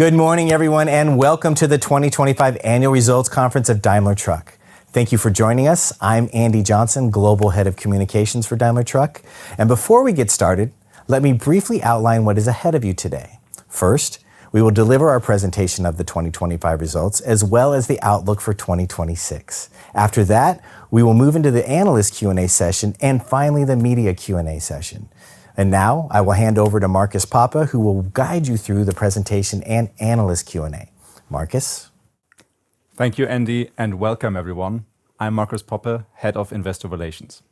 Good morning, everyone, and welcome to the 2025 Annual Results Conference of Daimler Truck. Thank you for joining us. I'm Andy Johnson, Global Head of Communications for Daimler Truck. Before we get started, let me briefly outline what is ahead of you today. First, we will deliver our presentation of the 2025 results, as well as the outlook for 2026. After that, we will move into the analyst Q&A session and, finally, the media Q&A session. Now I will hand over to Marcus Poppe, who will guide you through the presentation and analyst Q&A. Marcus. Thank you, Andy, and welcome everyone. I'm Marcus Poppe, Head of Investor Relations.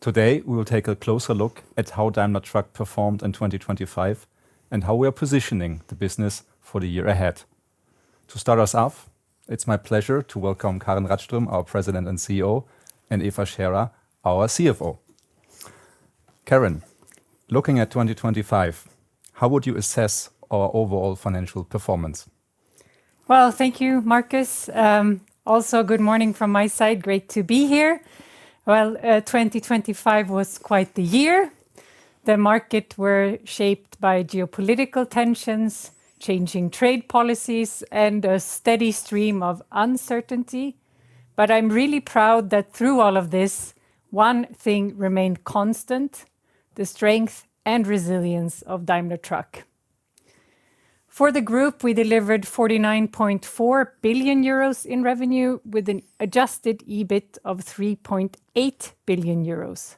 Today, we will take a closer look at how Daimler Truck performed in 2025, and how we are positioning the business for the year ahead. To start us off, it's my pleasure to welcome Karin Rådström, our President and CEO, and Eva Scherer, our CFO. Karin, looking at 2025, how would you assess our overall financial performance? Well, thank you, Marcus. Also good morning from my side. Great to be here. Well, 2025 was quite the year. Markets were shaped by geopolitical tensions, changing trade policies, and a steady stream of uncertainty. I'm really proud that through all of this, one thing remained constant: the strength and resilience of Daimler Truck. For the group, we delivered 49.4 billion euros in revenue with an adjusted EBIT of 3.8 billion euros.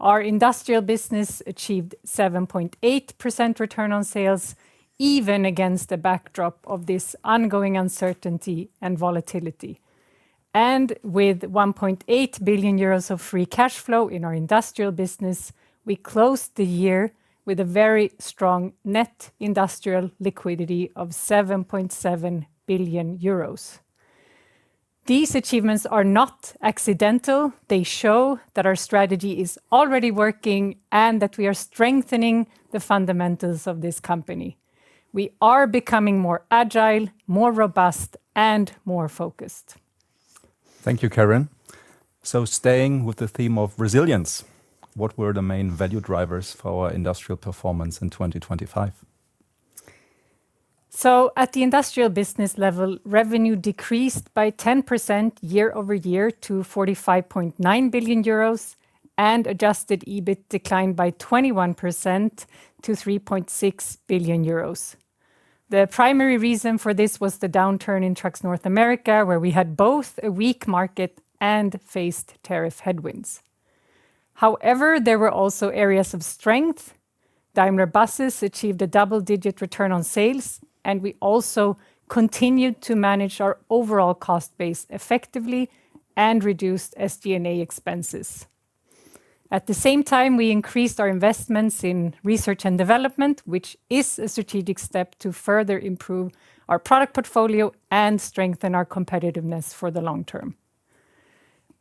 Our industrial business achieved 7.8% return on sales, even against the backdrop of this ongoing uncertainty and volatility. With 1.8 billion euros of free cash flow in our industrial business, we closed the year with a very strong net industrial liquidity of 7.7 billion euros. These achievements are not accidental. They show that our strategy is already working and that we are strengthening the fundamentals of this company. We are becoming more agile, more robust, and more focused. Thank you, Karin. Staying with the theme of resilience, what were the main value drivers for our industrial performance in 2025? At the industrial business level, revenue decreased by 10% year-over-year to 45.9 billion euros and adjusted EBIT declined by 21% to 3.6 billion euros. The primary reason for this was the downturn in Daimler Truck North America, where we had both a weak market and faced tariff headwinds. However, there were also areas of strength. Daimler Buses achieved a double-digit return on sales, and we also continued to manage our overall cost base effectively and reduced SG&A expenses.At the same time, we increased our investments in research and development, which is a strategic step to further improve our product portfolio and strengthen our competitiveness for the long term.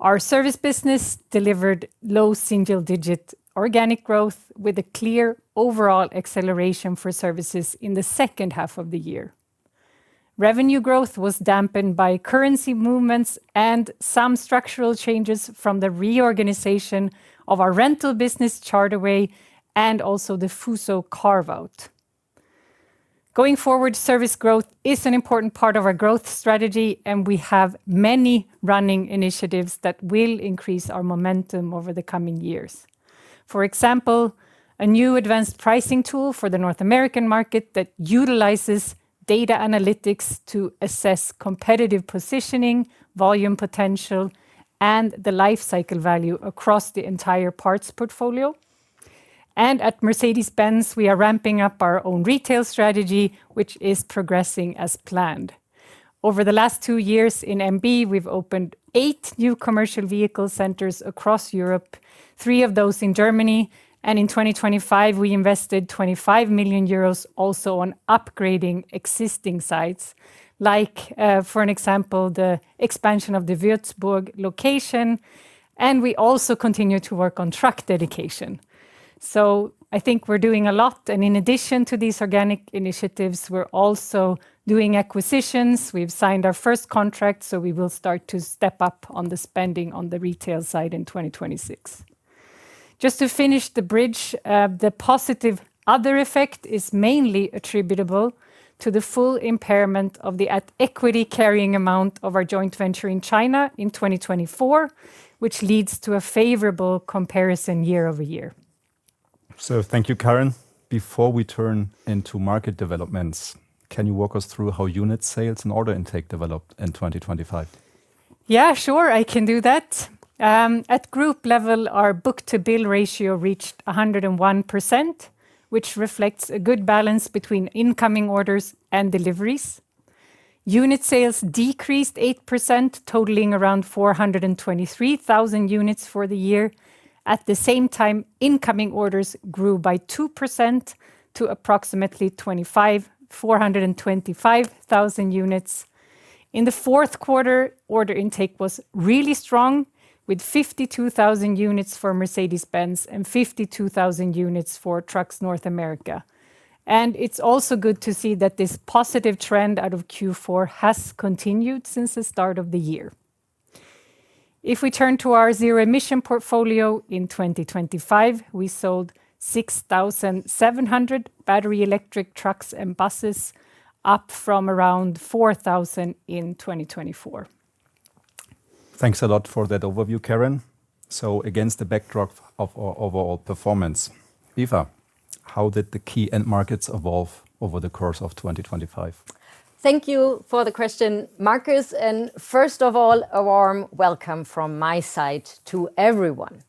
Our service business delivered low single-digit organic growth with a clear overall acceleration for services in the second half of the year. Revenue growth was dampened by currency movements and some structural changes from the reorganization of our rental business, CharterWay, and also the FUSO carve-out. Going forward, service growth is an important part of our growth strategy, and we have many running initiatives that will increase our momentum over the coming years. For example, a new advanced pricing tool for the North American market that utilizes data analytics to assess competitive positioning, volume potential, and the life cycle value across the entire parts portfolio. At Mercedes-Benz, we are ramping up our own retail strategy, which is progressing as planned. Over the last two years in MB, we've opened eight new commercial vehicle centers across Europe, three of those in Germany. In 2025, we invested 25 million euros also on upgrading existing sites like, for example, the expansion of the Würzburg location, and we also continue to work on truck dedication. I think we're doing a lot and in addition to these organic initiatives, we're also doing acquisitions. We've signed our first contract, so we will start to step up on the spending on the retail side in 2026. Just to finish the bridge, the positive other effect is mainly attributable to the full impairment of the at-equity carrying amount of our joint venture in China in 2024, which leads to a favorable comparison year-over-year. Thank you, Karin. Before we turn into market developments, can you walk us through how unit sales and order intake developed in 2025? Yeah, sure, I can do that. At group level, our book-to-bill ratio reached 101%, which reflects a good balance between incoming orders and deliveries. Unit sales decreased 8%, totaling around 423,000 units for the year. At the same time, incoming orders grew by 2% to approximately 425,000 units. In the fourth quarter, order intake was really strong, with 52,000 units for Mercedes-Benz and 52,000 units for Daimler Truck North America. It's also good to see that this positive trend out of Q4 has continued since the start of the year. If we turn to our zero-emission portfolio, in 2025, we sold 6,700 battery electric trucks and buses, up from around 4,000 in 2024. Thanks a lot for that overview, Karin. Against the backdrop of overall performance, Eva, how did the key end markets evolve over the course of 2025? Thank you for the question, Marcus, and first of all, a warm welcome from my side to everyone.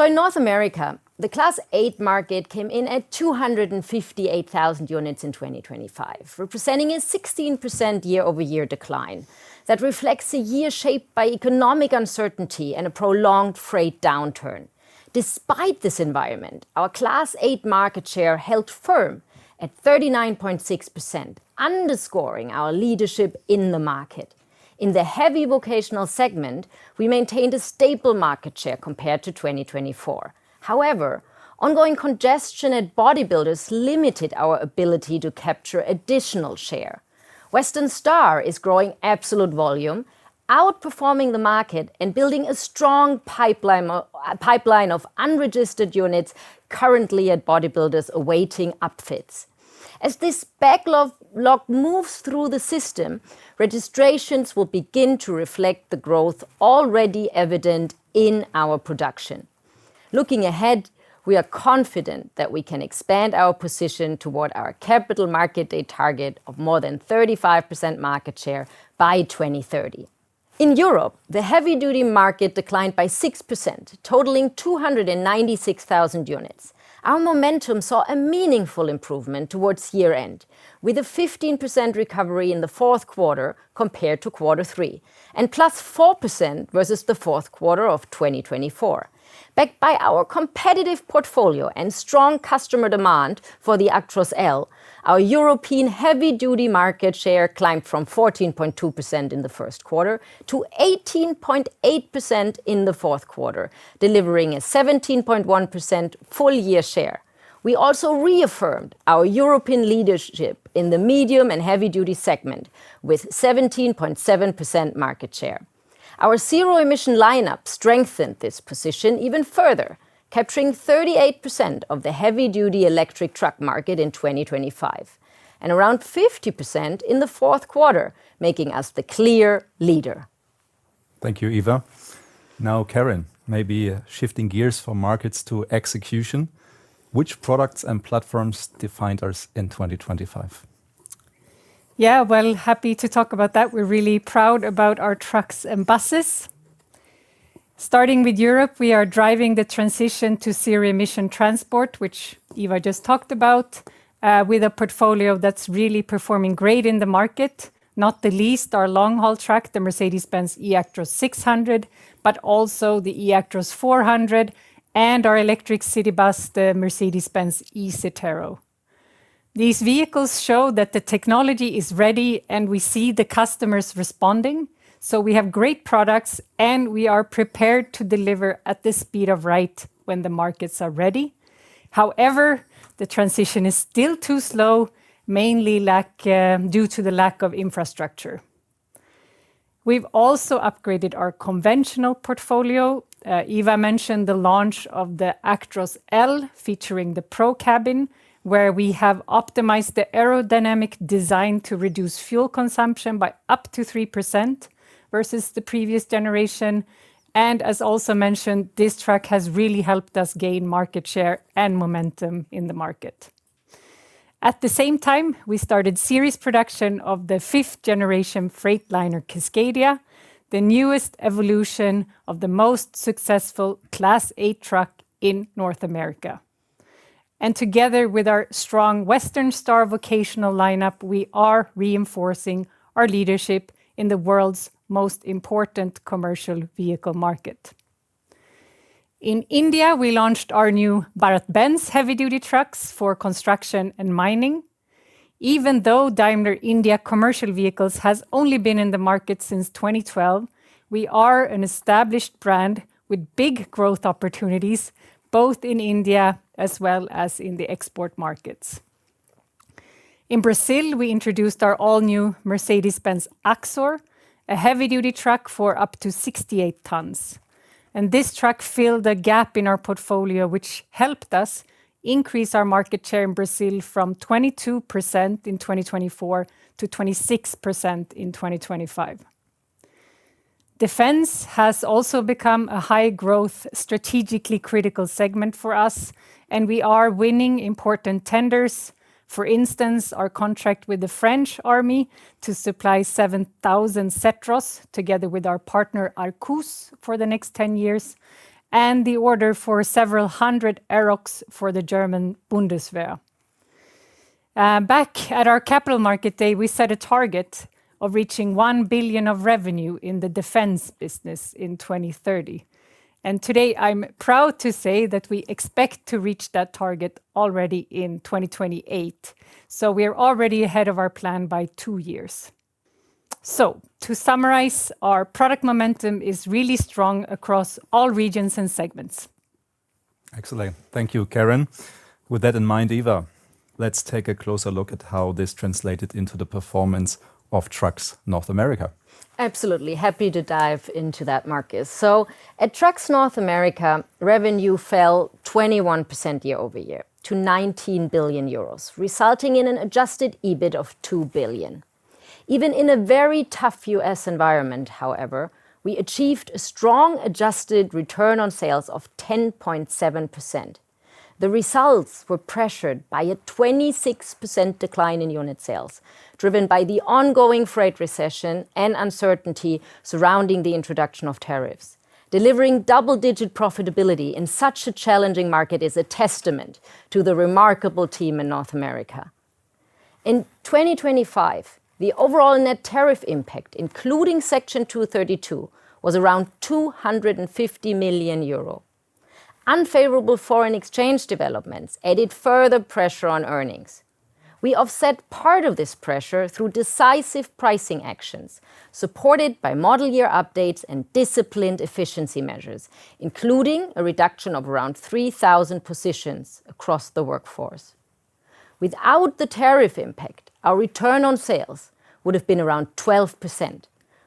In North America, the Class 8 market came in at 258,000 units in 2025, representing a 16% year-over-year decline. That reflects a year shaped by economic uncertainty and a prolonged freight downturn. Despite this environment, our Class 8 market share held firm at 39.6%, underscoring our leadership in the market. In the heavy vocational segment, we maintained a stable market share compared to 2024. However, ongoing congestion at body builders limited our ability to capture additional share. Western Star is growing absolute volume, outperforming the market and building a strong pipeline of unregistered units currently at body builders awaiting upfits. As this backlog moves through the system, registrations will begin to reflect the growth already evident in our production. Looking ahead, we are confident that we can expand our position toward our Capital Markets Day target of more than 35% market share by 2030. In Europe, the heavy duty market declined by 6%, totaling 296,000 units. Our momentum saw a meaningful improvement towards year-end, with a 15% recovery in the fourth quarter compared to quarter three and +4% versus the Q4 of 2024. Backed by our competitive portfolio and strong customer demand for the Actros L, our European heavy duty market share climbed from 14.2% in the first quarter to 18.8% in the fourth quarter, delivering a 17.1% full year share. We also reaffirmed our European leadership in the medium and heavy duty segment with 17.7% market share. Our zero-emission lineup strengthened this position even further, capturing 38% of the heavy duty electric truck market in 2025 and around 50% in the fourth quarter, making us the clear leader. Thank you, Eva. Now, Karin, maybe shifting gears from markets to execution, which products and platforms defined us in 2025? Yeah. Well, happy to talk about that. We're really proud about our trucks and buses. Starting with Europe, we are driving the transition to zero-emission transport, which Eva just talked about, with a portfolio that's really performing great in the market, not the least our long-haul truck, the Mercedes-Benz eActros 600, but also the eActros 400 and our electric city bus, the Mercedes-Benz eCitaro. These vehicles show that the technology is ready, and we see the customers responding. We have great products, and we are prepared to deliver at the speed of light when the markets are ready. However, the transition is still too slow, due to the lack of infrastructure. We've also upgraded our conventional portfolio. Eva mentioned the launch of the Actros L, featuring the ProCabin, where we have optimized the aerodynamic design to reduce fuel consumption by up to 3% versus the previous generation. As also mentioned, this truck has really helped us gain market share and momentum in the market. At the same time, we started series production of the fifth generation Freightliner Cascadia, the newest evolution of the most successful Class 8 truck in North America. Together with our strong Western Star vocational lineup, we are reinforcing our leadership in the world's most important commercial vehicle market. In India, we launched our new BharatBenz heavy-duty trucks for construction and mining. Even though Daimler India Commercial Vehicles has only been in the market since 2012, we are an established brand with big growth opportunities both in India as well as in the export markets. In Brazil, we introduced our all new Mercedes-Benz Axor, a heavy-duty truck for up to 68 tons. This truck filled a gap in our portfolio, which helped us increase our market share in Brazil from 22% in 2024 to 26% in 2025. Defense has also become a high growth, strategically critical segment for us, and we are winning important tenders. For instance, our contract with the French army to supply 7,000 Setras, together with our partner, Arquus, for the next 10 years, and the order for several hundred Arocs for the German Bundeswehr. Back at our Capital Markets Day, we set a target of reaching 1 billion of revenue in the defense business in 2030, and today, I'm proud to say that we expect to reach that target already in 2028. We're already ahead of our plan by two years. To summarize, our product momentum is really strong across all regions and segments. Excellent. Thank you, Karin. With that in mind, Eva, let's take a closer look at how this translated into the performance of Trucks North America. Absolutely. Happy to dive into that, Marcus. At Daimler Truck North America, revenue fell 21% year-over-year to 19 billion euros, resulting in an adjusted EBIT of 2 billion. Even in a very tough U.S. environment, however, we achieved a strong adjusted return on sales of 10.7%. The results were pressured by a 26% decline in unit sales, driven by the ongoing freight recession and uncertainty surrounding the introduction of tariffs. Delivering double-digit profitability in such a challenging market is a testament to the remarkable team in North America. In 2025, the overall net tariff impact, including Section 232, was around 250 million euro. Unfavorable foreign exchange developments added further pressure on earnings. We offset part of this pressure through decisive pricing actions, supported by model year updates and disciplined efficiency measures, including a reduction of around 3,000 positions across the workforce. Without the tariff impact, our return on sales would have been around 12%,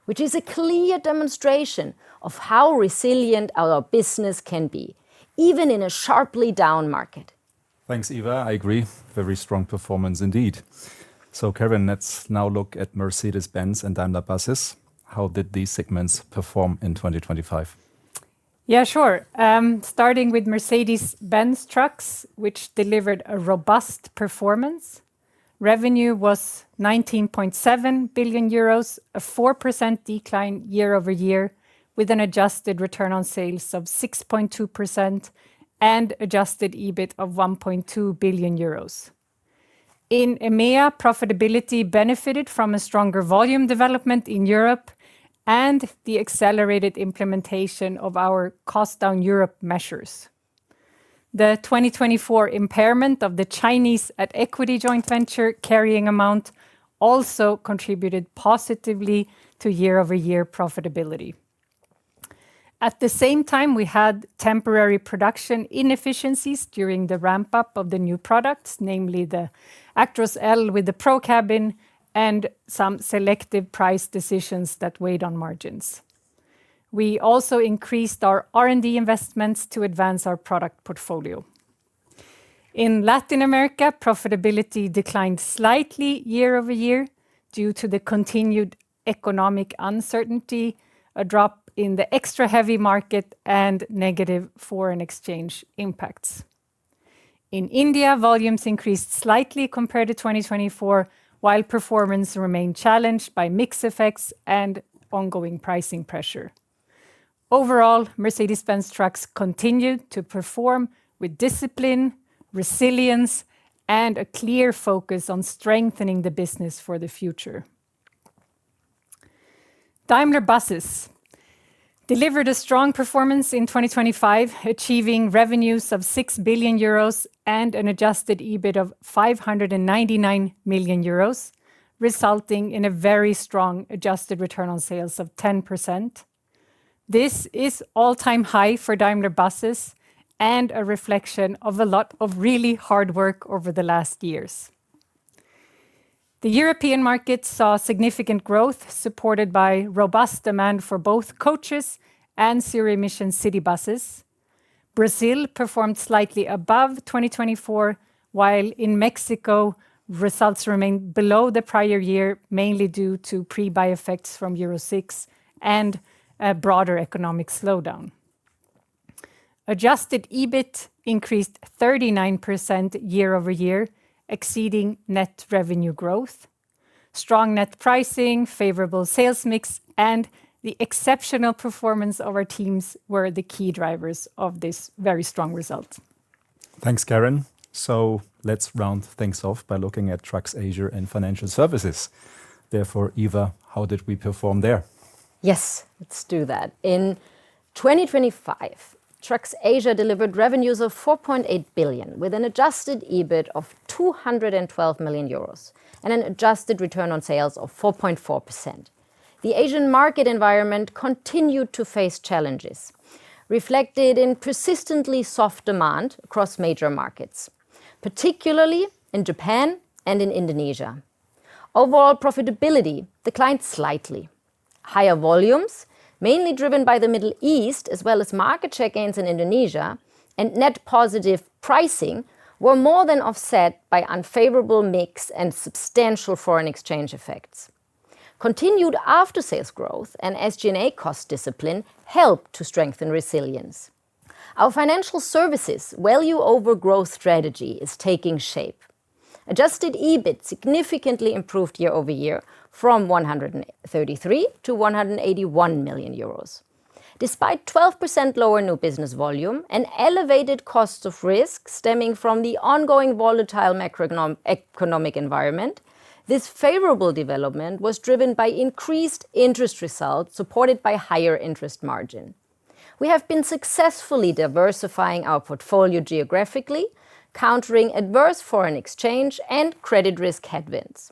which is a clear demonstration of how resilient our business can be, even in a sharply down market. Thanks, Eva. I agree. Very strong performance indeed. Karin, let's now look at Mercedes-Benz and Daimler Buses. How did these segments perform in 2025? Yeah, sure. Starting with Mercedes-Benz Trucks, which delivered a robust performance. Revenue was 19.7 billion euros, a 4% decline year-over-year, with an adjusted return on sales of 6.2% and adjusted EBIT of 1.2 billion euros. In EMEA, profitability benefited from a stronger volume development in Europe and the accelerated implementation of our Cost Down Europe measures. The 2024 impairment of the Chinese at-equity joint venture carrying amount also contributed positively to year-over-year profitability. At the same time, we had temporary production inefficiencies during the ramp-up of the new products, namely the Actros L with the ProCabin and some selective price decisions that weighed on margins. We also increased our R&D investments to advance our product portfolio. In Latin America, profitability declined slightly year over year due to the continued economic uncertainty, a drop in the extra heavy market, and negative foreign exchange impacts. In India, volumes increased slightly compared to 2024, while performance remained challenged by mix effects and ongoing pricing pressure. Overall, Mercedes-Benz Trucks continued to perform with discipline, resilience, and a clear focus on strengthening the business for the future. Daimler Buses delivered a strong performance in 2025, achieving revenues of 6 billion euros and an adjusted EBIT of 599 million euros, resulting in a very strong adjusted return on sales of 10%. This is all-time high for Daimler Buses and a reflection of a lot of really hard work over the last years. The European market saw significant growth supported by robust demand for both coaches and zero-emission city buses. Brazil performed slightly above 2024, while in Mexico, results remained below the prior year, mainly due to pre-buy effects from Euro VI and a broader economic slowdown. Adjusted EBIT increased 39% year-over-year, exceeding net revenue growth. Strong net pricing, favorable sales mix, and the exceptional performance of our teams were the key drivers of this very strong result. Thanks, Karin. Let's round things off by looking at Daimler Truck Asia and Daimler Truck Financial Services. Therefore, Eva, how did we perform there? Yes, let's do that. In 2025, Daimler Truck Asia delivered revenues of 4.8 billion, with an adjusted EBIT of 212 million euros and an adjusted return on sales of 4.4%. The Asian market environment continued to face challenges, reflected in persistently soft demand across major markets, particularly in Japan and in Indonesia. Overall profitability declined slightly. Higher volumes, mainly driven by the Middle East, as well as market share gains in Indonesia and net positive pricing, were more than offset by unfavorable mix and substantial foreign exchange effects. Continued after-sales growth and SG&A cost discipline helped to strengthen resilience. Our Financial Services value over growth strategy is taking shape. Adjusted EBIT significantly improved year-over-year from 133 million to 181 million euros. Despite 12% lower new business volume and elevated costs of risk stemming from the ongoing volatile macroeconomic environment, this favorable development was driven by increased interest results, supported by higher interest margin. We have been successfully diversifying our portfolio geographically, countering adverse foreign exchange and credit risk headwinds.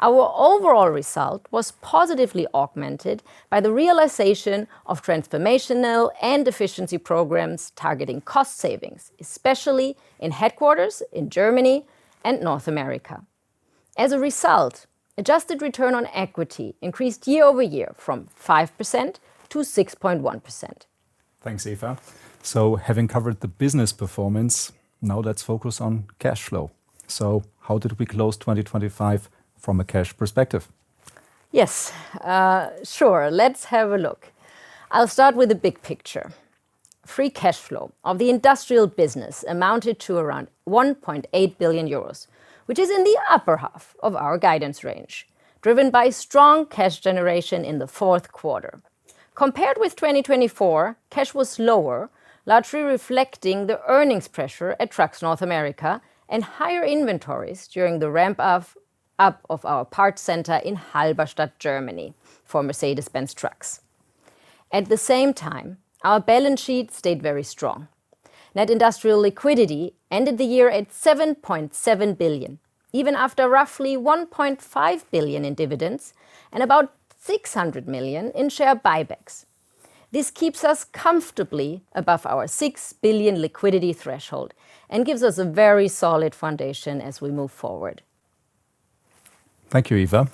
Our overall result was positively augmented by the realization of transformational and efficiency programs targeting cost savings, especially in headquarters in Germany and North America. As a result, adjusted return on equity increased year-over-year from 5% to 6.1%. Thanks, Eva. Having covered the business performance, now let's focus on cash flow. How did we close 2025 from a cash perspective? Yes. Sure. Let's have a look. I'll start with the big picture. Free cash flow of the industrial business amounted to around 1.8 billion euros, which is in the upper half of our guidance range, driven by strong cash generation in the fourth quarter. Compared with 2024, cash was lower, largely reflecting the earnings pressure at Daimler Truck North America and higher inventories during the ramp-up of our parts center in Halberstadt, Germany for Mercedes-Benz Trucks. At the same time, our balance sheet stayed very strong. Net industrial liquidity ended the year at 7.7 billion, even after roughly 1.5 billion in dividends and about 600 million in share buybacks. This keeps us comfortably above our 6 billion liquidity threshold and gives us a very solid foundation as we move forward. Thank you, Eva.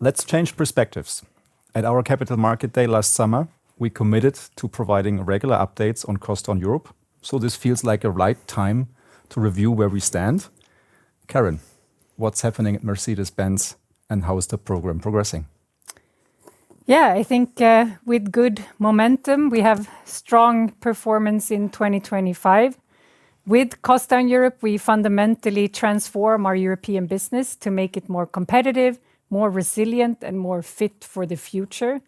Let's change perspectives. At our Capital Markets Day last summer, we committed to providing regular updates on Cost Down Europe, so this feels like a right time to review where we stand. Karin, what's happening at Mercedes-Benz, and how is the program progressing? Yeah, I think with good momentum, we have strong performance in 2025. With Cost Down Europe, we fundamentally transform our European business to make it more competitive, more resilient, and more fit for the future.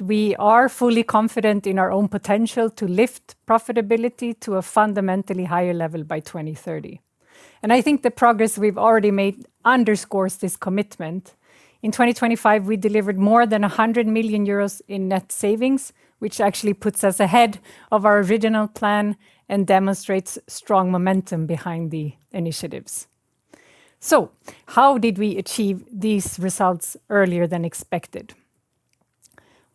We are fully confident in our own potential to lift profitability to a fundamentally higher level by 2030. I think the progress we've already made underscores this commitment. In 2025, we delivered more than 100 million euros in net savings, which actually puts us ahead of our original plan and demonstrates strong momentum behind the initiatives. How did we achieve these results earlier than expected?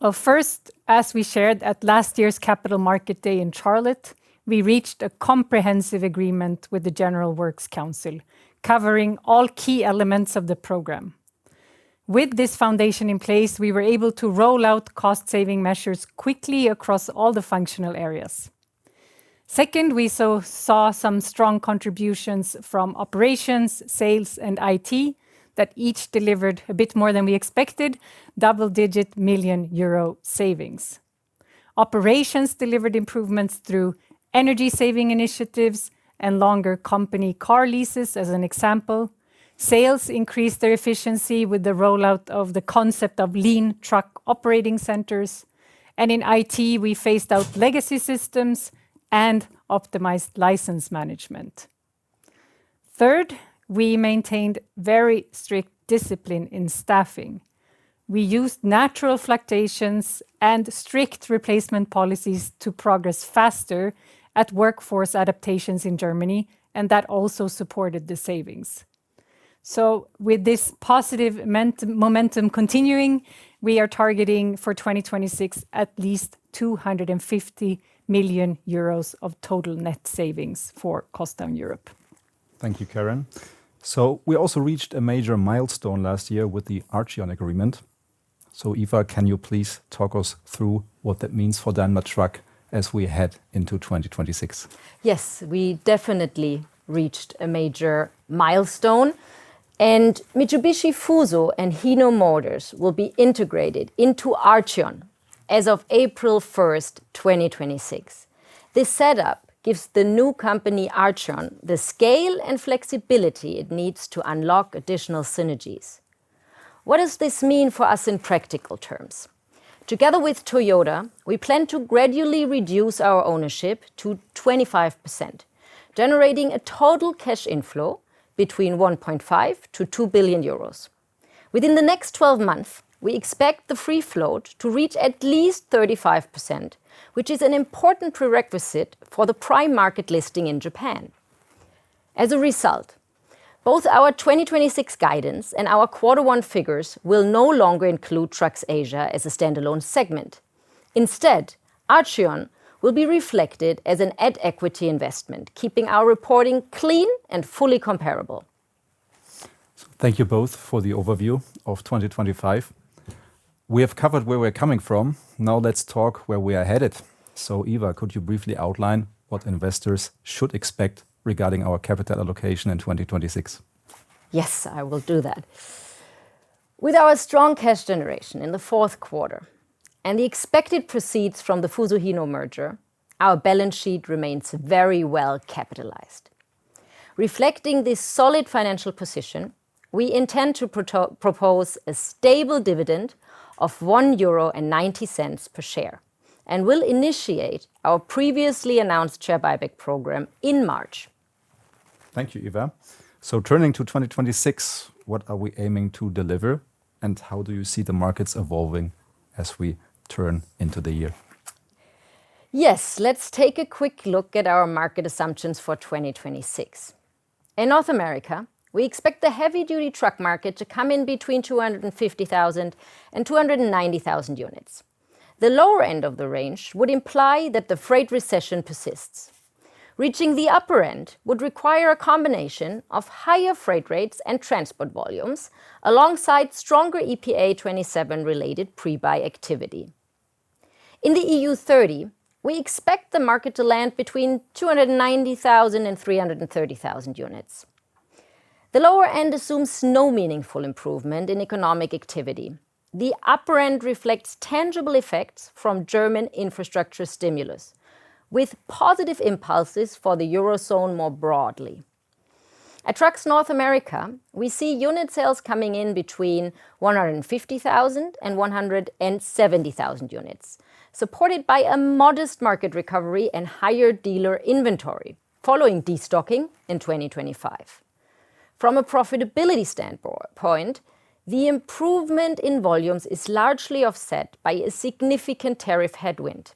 Well, first, as we shared at last year's Capital Markets Day in Charlotte, we reached a comprehensive agreement with the General Works Council, covering all key elements of the program. With this foundation in place, we were able to roll out cost-saving measures quickly across all the functional areas. Second, we saw some strong contributions from operations, sales, and IT that each delivered a bit more than we expected, double-digit million EUR savings. Operations delivered improvements through energy-saving initiatives and longer company car leases, as an example. Sales increased their efficiency with the rollout of the concept of lean truck operating centers. In IT, we phased out legacy systems and optimized license management. Third, we maintained very strict discipline in staffing. We used natural fluctuations and strict replacement policies to progress faster at workforce adaptations in Germany, and that also supported the savings. With this positive momentum continuing, we are targeting for 2026 at least 250 million euros of total net savings for Cost Down Europe. Thank you, Karin. We also reached a major milestone last year with the ARCHION agreement. Eva, can you please talk us through what that means for Daimler Truck as we head into 2026? Yes, we definitely reached a major milestone. Mitsubishi Fuso and Hino Motors will be integrated into ARCHION as of April 1, 2026. This setup gives the new company, ARCHION, the scale and flexibility it needs to unlock additional synergies. What does this mean for us in practical terms? Together with Toyota, we plan to gradually reduce our ownership to 25%, generating a total cash inflow between 1.5 billion to 2 billion euros. Within the next twelve months, we expect the free float to reach at least 35%, which is an important prerequisite for the prime market listing in Japan. As a result, both our 2026 guidance and our quarter one figures will no longer include Daimler Truck Asia as a standalone segment. Instead, ARCHION will be reflected as an at-equity investment, keeping our reporting clean and fully comparable. Thank you both for the overview of 2025. We have covered where we're coming from. Now let's talk where we are headed. Eva, could you briefly outline what investors should expect regarding our capital allocation in 2026? Yes, I will do that. With our strong cash generation in the Q4 and the expected proceeds from the Fuso Hino merger, our balance sheet remains very well capitalized. Reflecting this solid financial position, we intend to propose a stable dividend of 1.90 euro per share and will initiate our previously announced share buyback program in March. Thank you, Eva. Turning to 2026, what are we aiming to deliver, and how do you see the markets evolving as we turn into the year? Yes. Let's take a quick look at our market assumptions for 2026. In North America, we expect the heavy-duty truck market to come in between 250,000 and 290,000 units. The lower end of the range would imply that the freight recession persists. Reaching the upper end would require a combination of higher freight rates and transport volumes alongside stronger EPA 2027-related pre-buy activity. In the EU30, we expect the market to land between 290,000 and 330,000 units. The lower end assumes no meaningful improvement in economic activity. The upper end reflects tangible effects from German infrastructure stimulus, with positive impulses for the Eurozone more broadly. Daimler Truck North America, we see unit sales coming in between 150,000 and 170,000 units, supported by a modest market recovery and higher dealer inventory following destocking in 2025. From a profitability standpoint, the improvement in volumes is largely offset by a significant tariff headwind.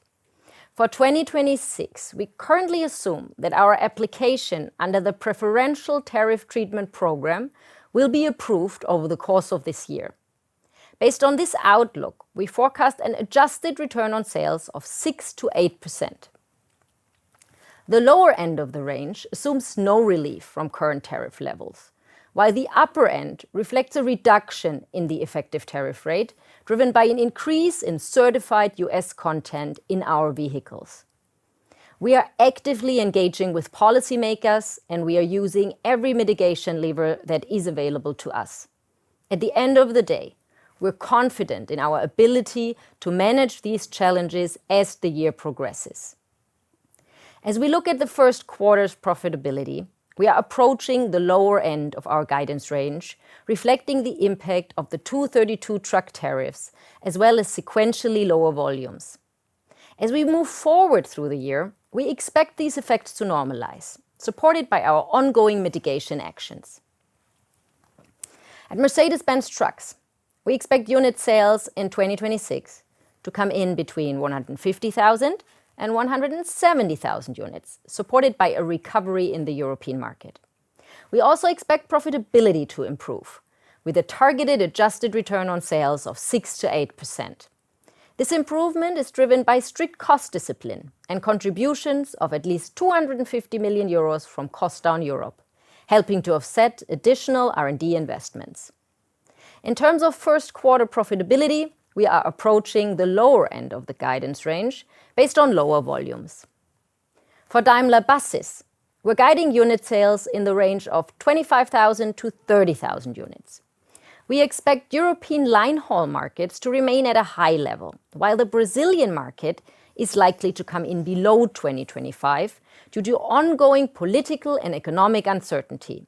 For 2026, we currently assume that our application under the preferential tariff treatment program will be approved over the course of this year. Based on this outlook, we forecast an adjusted return on sales of 6% to 8%. The lower end of the range assumes no relief from current tariff levels, while the upper end reflects a reduction in the effective tariff rate driven by an increase in certified U.S. content in our vehicles. We are actively engaging with policymakers, and we are using every mitigation lever that is available to us. At the end of the day, we're confident in our ability to manage these challenges as the year progresses. As we look at the first quarter's profitability, we are approaching the lower end of our guidance range, reflecting the impact of the Section 232 truck tariffs as well as sequentially lower volumes. As we move forward through the year, we expect these effects to normalize, supported by our ongoing mitigation actions. At Mercedes-Benz Trucks, we expect unit sales in 2026 to come in between 150,000 and 170,000 units, supported by a recovery in the European market. We also expect profitability to improve with a targeted adjusted return on sales of 6% to 8%. This improvement is driven by strict cost discipline and contributions of at least 250 million euros from Cost Down Europe, helping to offset additional R&D investments. In terms of Q1 profitability, we are approaching the lower end of the guidance range based on lower volumes. For Daimler Buses, we're guiding unit sales in the range of 25,000 to 30,000 units. We expect European line haul markets to remain at a high level, while the Brazilian market is likely to come in below 2025 due to ongoing political and economic uncertainty.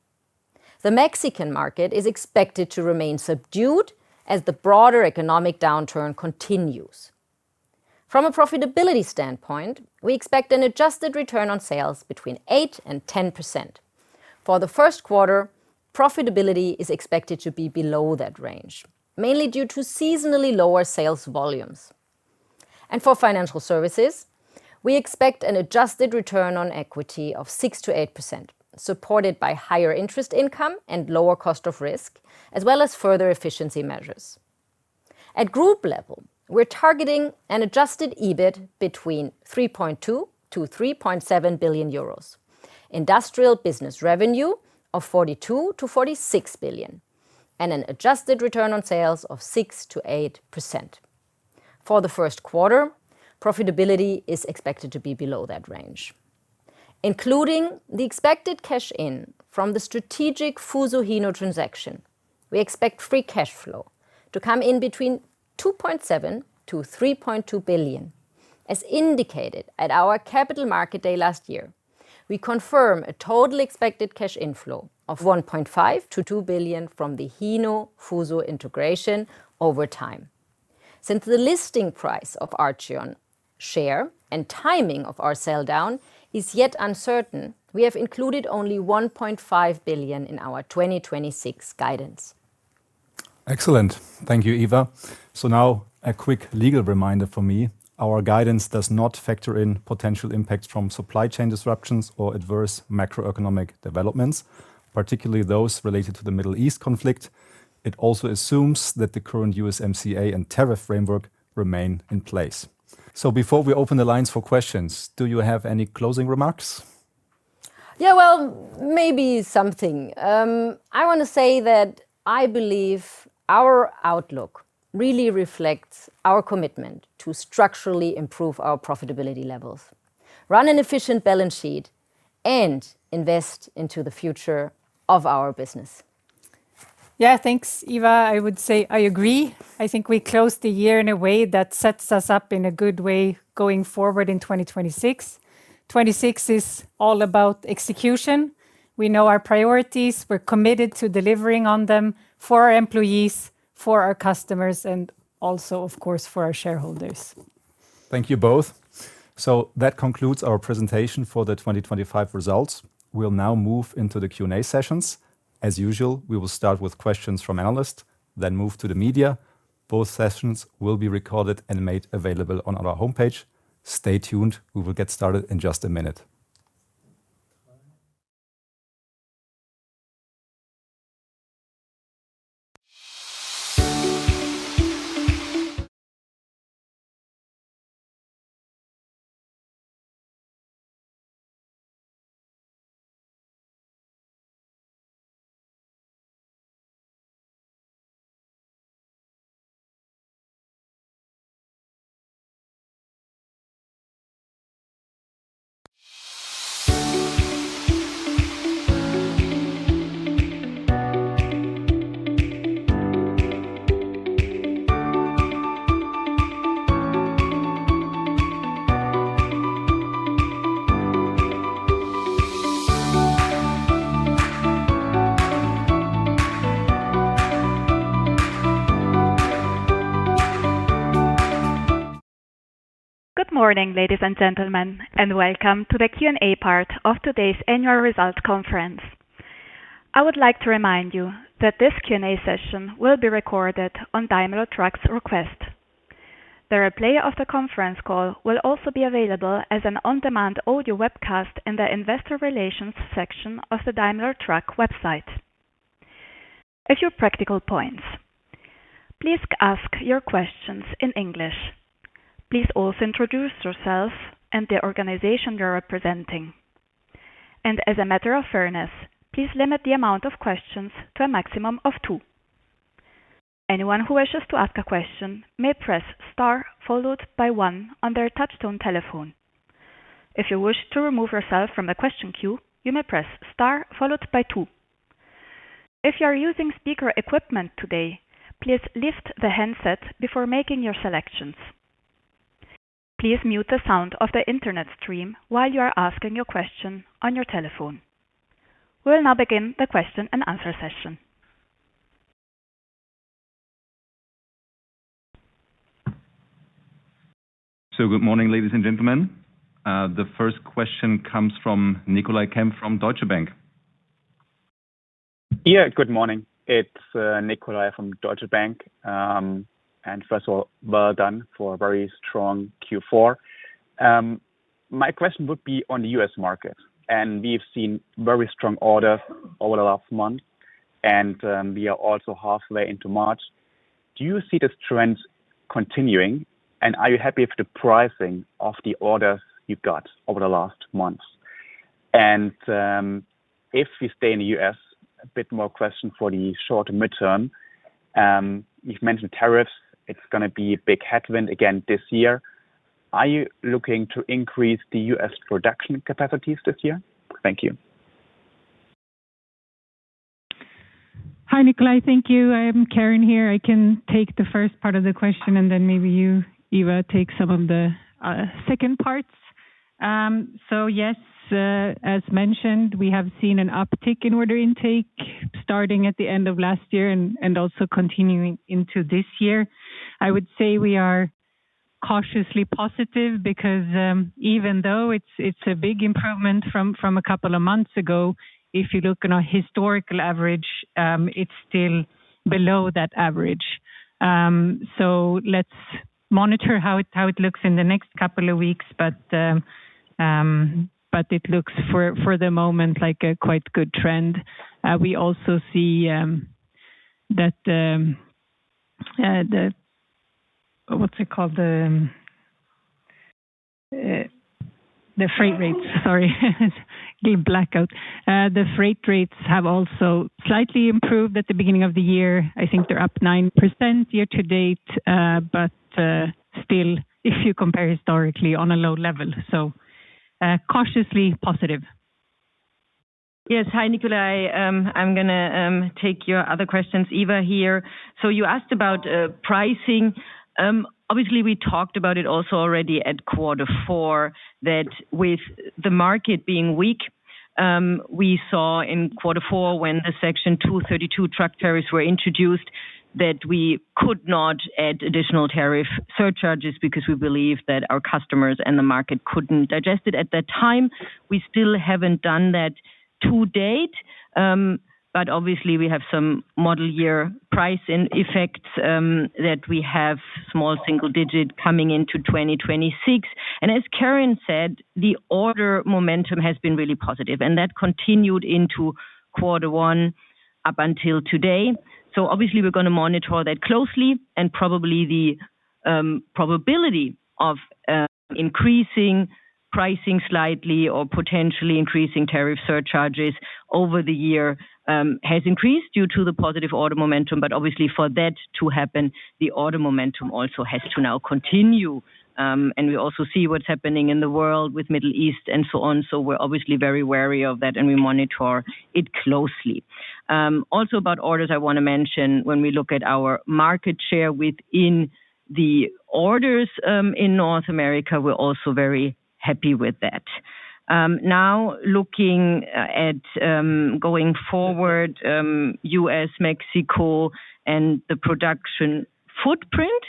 The Mexican market is expected to remain subdued as the broader economic downturn continues. From a profitability standpoint, we expect an adjusted return on sales between 8% and 10%. For the first quarter, profitability is expected to be below that range, mainly due to seasonally lower sales volumes. For financial services, we expect an adjusted return on equity of 6%-8%, supported by higher interest income and lower cost of risk, as well as further efficiency measures. At group level, we're targeting an adjusted EBIT between 3.2 billion to 3.7 billion euros, industrial business revenue of 42 to 46 billion and an adjusted return on sales of 6% to 8%. For the first quarter, profitability is expected to be below that range. Including the expected cash in from the strategic Fuso Hino transaction, we expect free cash flow to come in between 2.7 billion to 3.2 billion. As indicated at our Capital Markets Day last year, we confirm a total expected cash inflow of 1.5 to 2 billion from the Hino Fuso integration over time. Since the listing price of Archion share and timing of our sell down is yet uncertain, we have included only 1.5 billion in our 2026 guidance. Excellent. Thank you, Eva. Now a quick legal reminder from me. Our guidance does not factor in potential impacts from supply chain disruptions or adverse macroeconomic developments, particularly those related to the Middle East conflict. It also assumes that the current USMCA and tariff framework remain in place. Before we open the lines for questions, do you have any closing remarks? Yeah, well, maybe something. I wanna say that I believe our outlook really reflects our commitment to structurally improve our profitability levels, run an efficient balance sheet, and invest into the future of our business. Yeah, thanks, Eva. I would say I agree. I think we closed the year in a way that sets us up in a good way going forward in 2026. 2026 is all about execution. We know our priorities. We're committed to delivering on them for our employees, for our customers, and also, of course, for our shareholders. Thank you both. That concludes our presentation for the 2025 results. We'll now move into the Q&A sessions. As usual, we will start with questions from analysts, then move to the media. Both sessions will be recorded and made available on our homepage. Stay tuned. We will get started in just a minute. Good morning, ladies and gentlemen, and welcome to the Q&A part of today's annual results conference. I would like to remind you that this Q&A session will be recorded on Daimler Truck's request. The replay of the conference call will also be available as an on-demand audio webcast in the Investor Relations section of the Daimler Truck website. A few practical points. Please ask your questions in English. Please also introduce yourselves and the organization you are representing. As a matter of fairness, please limit the amount of questions to a maximum of two. Anyone who wishes to ask a question may press star followed by one on their touchtone telephone. If you wish to remove yourself from the question queue, you may press star followed by two. If you are using speaker equipment today, please lift the handset before making your selections. Please mute the sound of the internet stream while you are asking your question on your telephone. We will now begin the question-and-answer session. Good morning, ladies and gentlemen. The first question comes from Nicolai Kempf from Deutsche Bank. Yeah, good morning. It's Nicolai from Deutsche Bank. First of all, well done for a very strong Q4. My question would be on the U.S. market, and we've seen very strong orders over the last month, and we are also halfway into March. Do you see this trend continuing? And are you happy with the pricing of the orders you got over the last months? If we stay in the U.S., a bit more question for the short and midterm. You've mentioned tariffs, it's gonna be a big headwind again this year. Are you looking to increase the U.S. production capacities this year? Thank you. Hi, Nicolai. Thank you. I'm Karin here. I can take the first part of the question, and then maybe you, Eva, take some of the second parts. Yes, as mentioned, we have seen an uptick in order intake starting at the end of last year and also continuing into this year. I would say we are cautiously positive because even though it's a big improvement from a couple of months ago, if you look on a historical average, it's still below that average. Let's monitor how it looks in the next couple of weeks. It looks for the moment like a quite good trend. We also see that. What's it called? The freight rates. Sorry. Had a blackout. The freight rates have also slightly improved at the beginning of the year. I think they're up 9% year to date, but still, if you compare historically, on a low level, so cautiously positive. Yes. Hi, Nicolai. I'm gonna take your other questions. Eva here. You asked about pricing. Obviously, we talked about it also already at Q4, that with the market being weak, we saw in quarter four when the Section 232 truck tariffs were introduced, that we could not add additional tariff surcharges because we believe that our customers and the market couldn't digest it at that time. We still haven't done that to date. Obviously, we have some model year pricing effects, that we have small single digit coming into 2026. As Karin said, the order momentum has been really positive, and that continued into quarter one up until today. Obviously, we're gonna monitor that closely and probably the probability of increasing pricing slightly or potentially increasing tariff surcharges over the year has increased due to the positive order momentum. Obviously, for that to happen, the order momentum also has to now continue. We also see what's happening in the world with Middle East and so on, so we're obviously very wary of that, and we monitor it closely. Also about orders, I wanna mention when we look at our market share within the orders in North America, we're also very happy with that. Now looking at going forward, U.S., Mexico and the production footprint.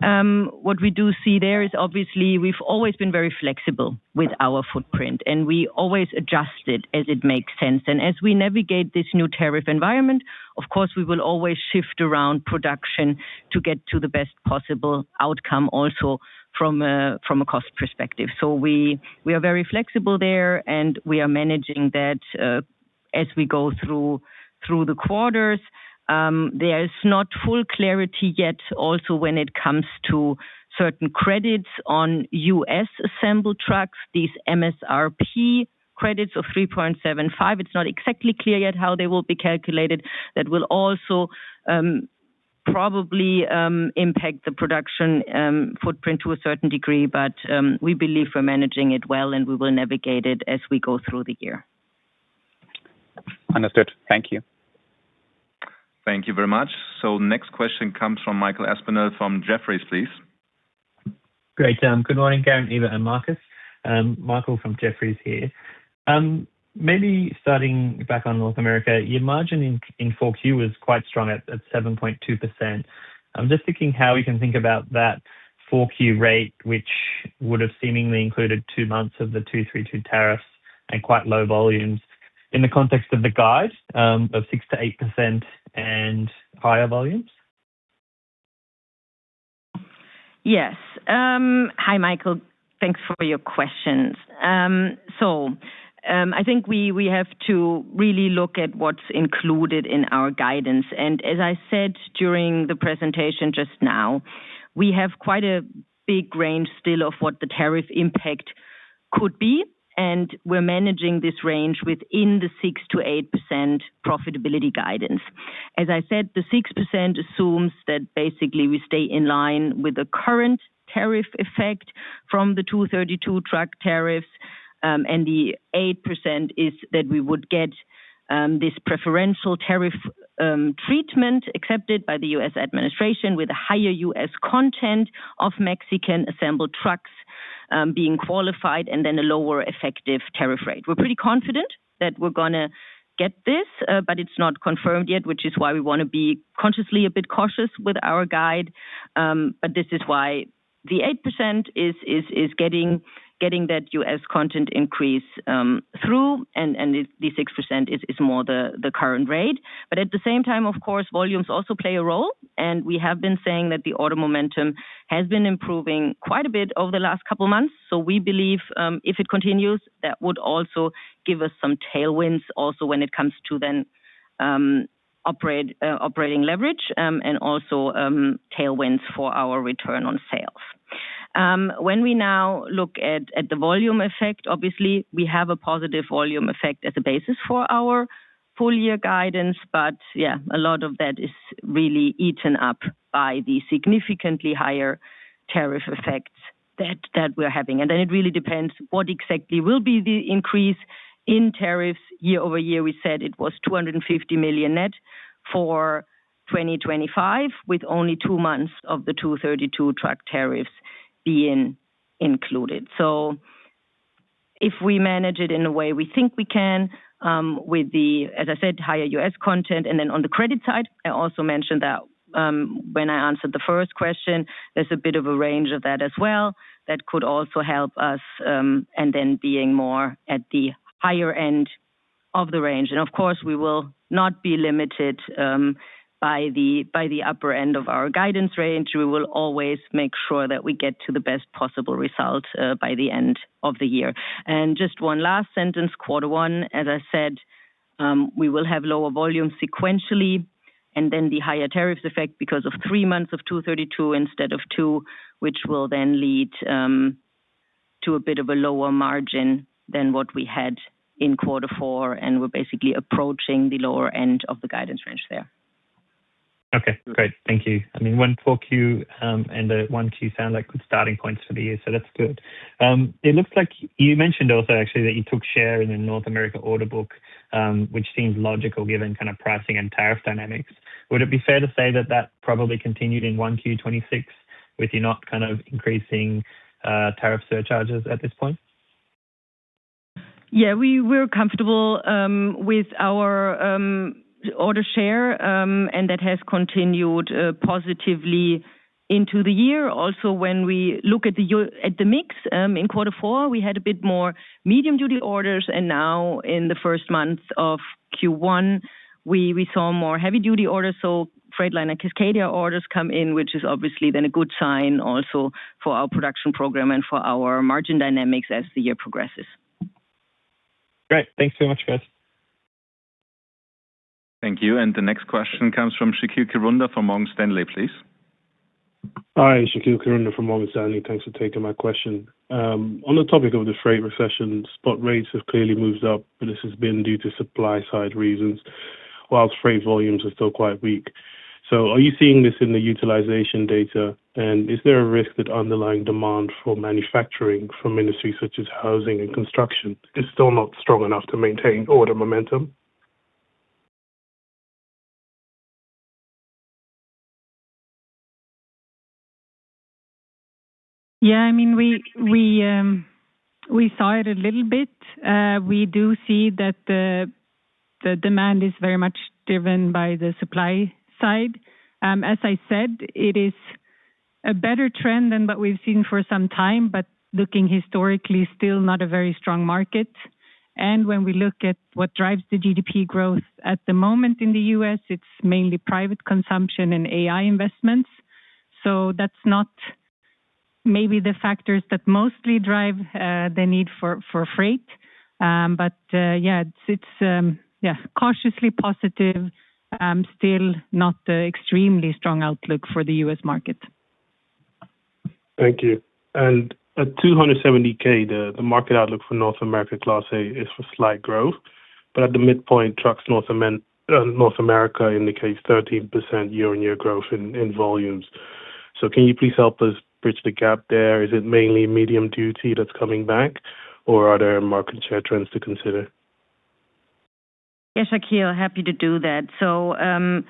What we do see there is obviously we've always been very flexible with our footprint, and we always adjust it as it makes sense. As we navigate this new tariff environment, of course, we will always shift around production to get to the best possible outcome also from a cost perspective. We are very flexible there, and we are managing that as we go through the quarters. There is not full clarity yet also when it comes to certain credits on U.S. assembled trucks, these MSRP credits of $3.75. It's not exactly clear yet how they will be calculated. That will also probably impact the production footprint to a certain degree. We believe we're managing it well, and we will navigate it as we go through the year. Understood. Thank you. Thank you very much. Next question comes from Michael Aspinall from Jefferies, please. Great. Good morning, Karin, Eva, and Marcus. Michael from Jefferies here. Maybe starting back on North America, your margin in Q4 was quite strong at 7.2%. I'm just thinking how we can think about that Q4 rate, which would have seemingly included two months of the 232 tariffs and quite low volumes in the context of the guides of 6% to 8% and higher volumes. Yes. Hi, Michael. Thanks for your questions. I think we have to really look at what's included in our guidance. As I said during the presentation just now, we have quite a big range still of what the tariff impact could be, and we're managing this range within the 6% to 8% profitability guidance. As I said, the 6% assumes that basically we stay in line with the current tariff effect from the 232 truck tariffs, and the 8% is that we would get this preferential tariff treatment accepted by the U.S. administration with a higher U.S. content of Mexican assembled trucks being qualified and then a lower effective tariff rate. We're pretty confident that we're gonna get this, but it's not confirmed yet, which is why we wanna be consciously a bit cautious with our guide. This is why the 8% is getting that U.S. content increase through, and the 6% is more the current rate. At the same time, of course, volumes also play a role, and we have been saying that the order momentum has been improving quite a bit over the last couple months. We believe, if it continues, that would also give us some tailwinds also when it comes to then, operating leverage, and also, tailwinds for our return on sales. When we now look at the volume effect, obviously we have a positive volume effect as a basis for our full year guidance, but yeah, a lot of that is really eaten up by the significantly higher tariff effects that we're having. Then it really depends what exactly will be the increase in tariffs year-over-year. We said it was $250 million net for 2025, with only two months of the Section 232 truck tariffs being included. If we manage it in a way we think we can, with the, as I said, higher U.S. content, and then on the credit side, I also mentioned that, when I answered the first question, there's a bit of a range of that as well that could also help us, and then being more at the higher end of the range. Of course, we will not be limited by the upper end of our guidance range. We will always make sure that we get to the best possible result by the end of the year. Just one last sentence, quarter one, as I said, we will have lower volume sequentially and then the higher tariffs effect because of three months of 232 instead of two, which will then lead to a bit of a lower margin than what we had in quarter four, and we're basically approaching the lower end of the guidance range there. Okay, great. Thank you. I mean, when Q4 and Q1 sound like good starting points for the year, so that's good. It looks like you mentioned also actually that you took share in the North America order book, which seems logical given kind of pricing and tariff dynamics. Would it be fair to say that that probably continued in Q1 2026 with you not kind of increasing tariff surcharges at this point? Yeah. We're comfortable with our order share, and that has continued positively into the year. Also, when we look at the mix in Q4, we had a bit more medium-duty orders, and now in the first months of Q1, we saw more heavy-duty orders. Freightliner Cascadia orders come in, which is obviously then a good sign also for our production program and for our margin dynamics as the year progresses. Great. Thanks so much, guys. Thank you. The next question comes from Shaqeal Kirunda from Morgan Stanley, please. Hi. Shaqeal Kirunda from Morgan Stanley. Thanks for taking my question. On the topic of the freight recession, spot rates have clearly moved up, and this has been due to supply side reasons, while freight volumes are still quite weak. Are you seeing this in the utilization data, and is there a risk that underlying demand for manufacturing from industries such as housing and construction is still not strong enough to maintain order momentum? Yeah, I mean, we saw it a little bit. We do see that the demand is very much driven by the supply side. As I said, it is a better trend than what we've seen for some time, but looking historically, still not a very strong market. When we look at what drives the GDP growth at the moment in the U.S., it's mainly private consumption and AI investments. That's not maybe the factors that mostly drive the need for freight. It's cautiously positive, still not extremely strong outlook for the U.S. market. Thank you. At 270K, the market outlook for North America Class 8 is for slight growth. At the midpoint, Daimler Truck North America indicates 13% year-on-year growth in volumes. Can you please help us bridge the gap there? Is it mainly medium duty that's coming back or are there market share trends to consider? Yes, Shaqeal. Happy to do that.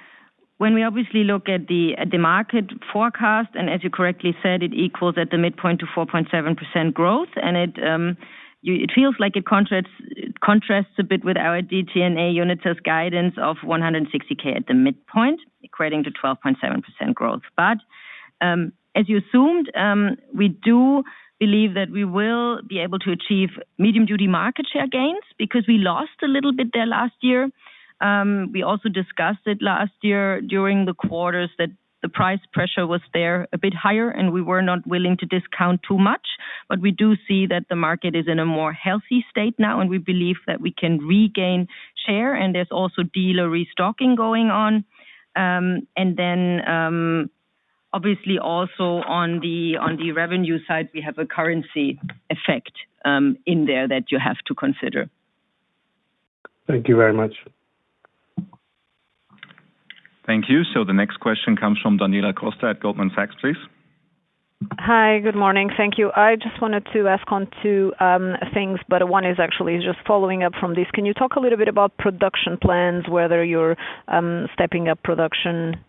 When we obviously look at the market forecast, and as you correctly said, it equals at the midpoint to 4.7% growth, and it feels like it contrasts a bit with our DTNA unit sales guidance of 160K at the midpoint, equating to 12.7% growth. As you assumed, we do believe that we will be able to achieve medium-duty market share gains because we lost a little bit there last year. We also discussed it last year during the quarters that the price pressure was there a bit higher, and we were not willing to discount too much. We do see that the market is in a more healthy state now, and we believe that we can regain share, and there's also dealer restocking going on. Obviously also on the revenue side, we have a currency effect in there that you have to consider. Thank you very much. Thank you. The next question comes from Daniela Costa at Goldman Sachs, please. Hi. Good morning. Thank you. I just wanted to ask on two things, but one is actually just following up from this. Can you talk a little bit about production plans, whether you're stepping up production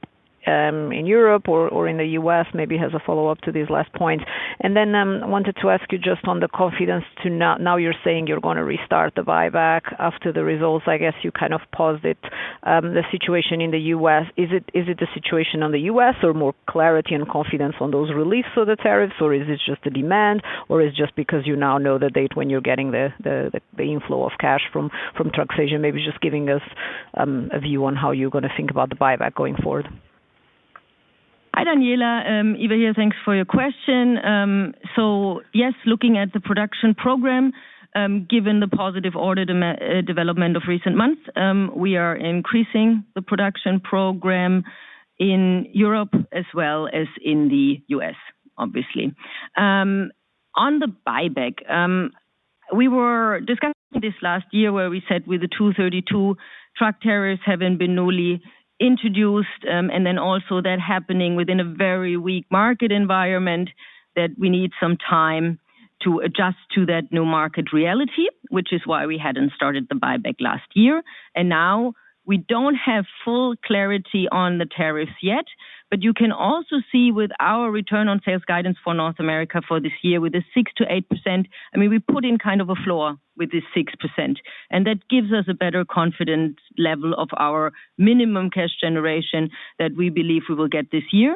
in Europe or in the U.S., maybe as a follow-up to these last points? I wanted to ask you just on the confidence now you're saying you're gonna restart the buyback after the results. I guess you kind of paused it the situation in the U.S. Is it the situation in the U.S. or more clarity and confidence on those release of the tariffs, or is it just the demand, or is it just because you now know the date when you're getting the inflow of cash from Truck Asia? Maybe just giving us a view on how you're gonna think about the buyback going forward. Hi, Daniela. Eva here. Thanks for your question. Yes, looking at the production program, given the positive order development of recent months, we are increasing the production program in Europe as well as in the U.S., obviously. On the buyback, we were discussing this last year where we said with the Section 232 truck tariffs having been newly introduced, and then also that happening within a very weak market environment, that we need some time to adjust to that new market reality, which is why we hadn't started the buyback last year. Now we don't have full clarity on the tariffs yet. You can also see with our return on sales guidance for North America for this year with the 6% to 8%, I mean, we put in kind of a floor with this 6%, and that gives us a better confidence level of our minimum cash generation that we believe we will get this year.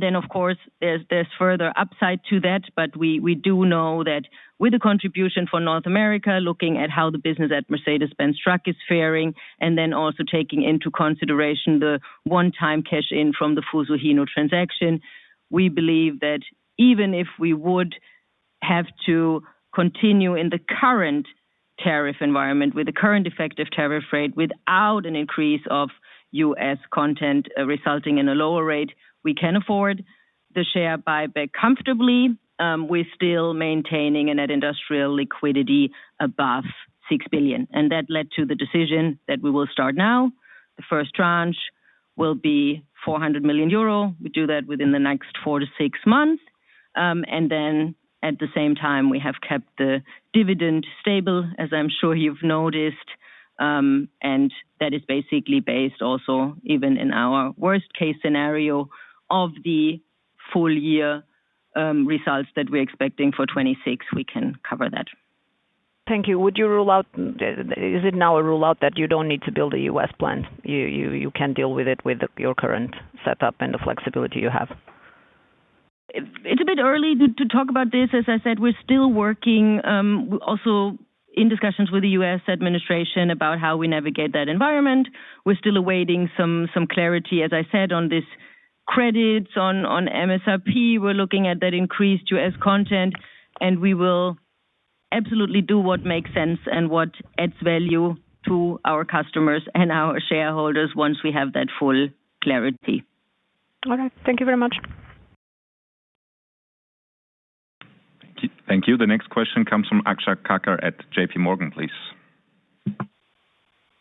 Then of course, there's further upside to that. We do know that with the contribution for North America, looking at how the business at Mercedes-Benz Trucks is faring, and then also taking into consideration the one-time cash in from the Fuso Hino transaction, we believe that even if we would have to continue in the current tariff environment with the current effective tariff rate without an increase of U.S. content resulting in a lower rate, we can afford the share buyback comfortably. We're still maintaining a net industrial liquidity above 6 billion, and that led to the decision that we will start now. The first tranche will be 400 million euro. We do that within the next four to six months. At the same time, we have kept the dividend stable, as I'm sure you've noticed. That is basically based also, even in our worst case scenario of the full-year results that we're expecting for 2026, we can cover that. Thank you. Is it now a rule out that you don't need to build a U.S. plant? You can deal with it with your current setup and the flexibility you have. It's a bit early to talk about this. As I said, we're still working also in discussions with the U.S. administration about how we navigate that environment. We're still awaiting some clarity, as I said, on this credits, on MSRP. We're looking at that increased U.S. content, and we will absolutely do what makes sense and what adds value to our customers and our shareholders once we have that full clarity. Okay. Thank you very much. Thank you. Thank you. The next question comes from Akshat Kacker at J.P. Morgan, please.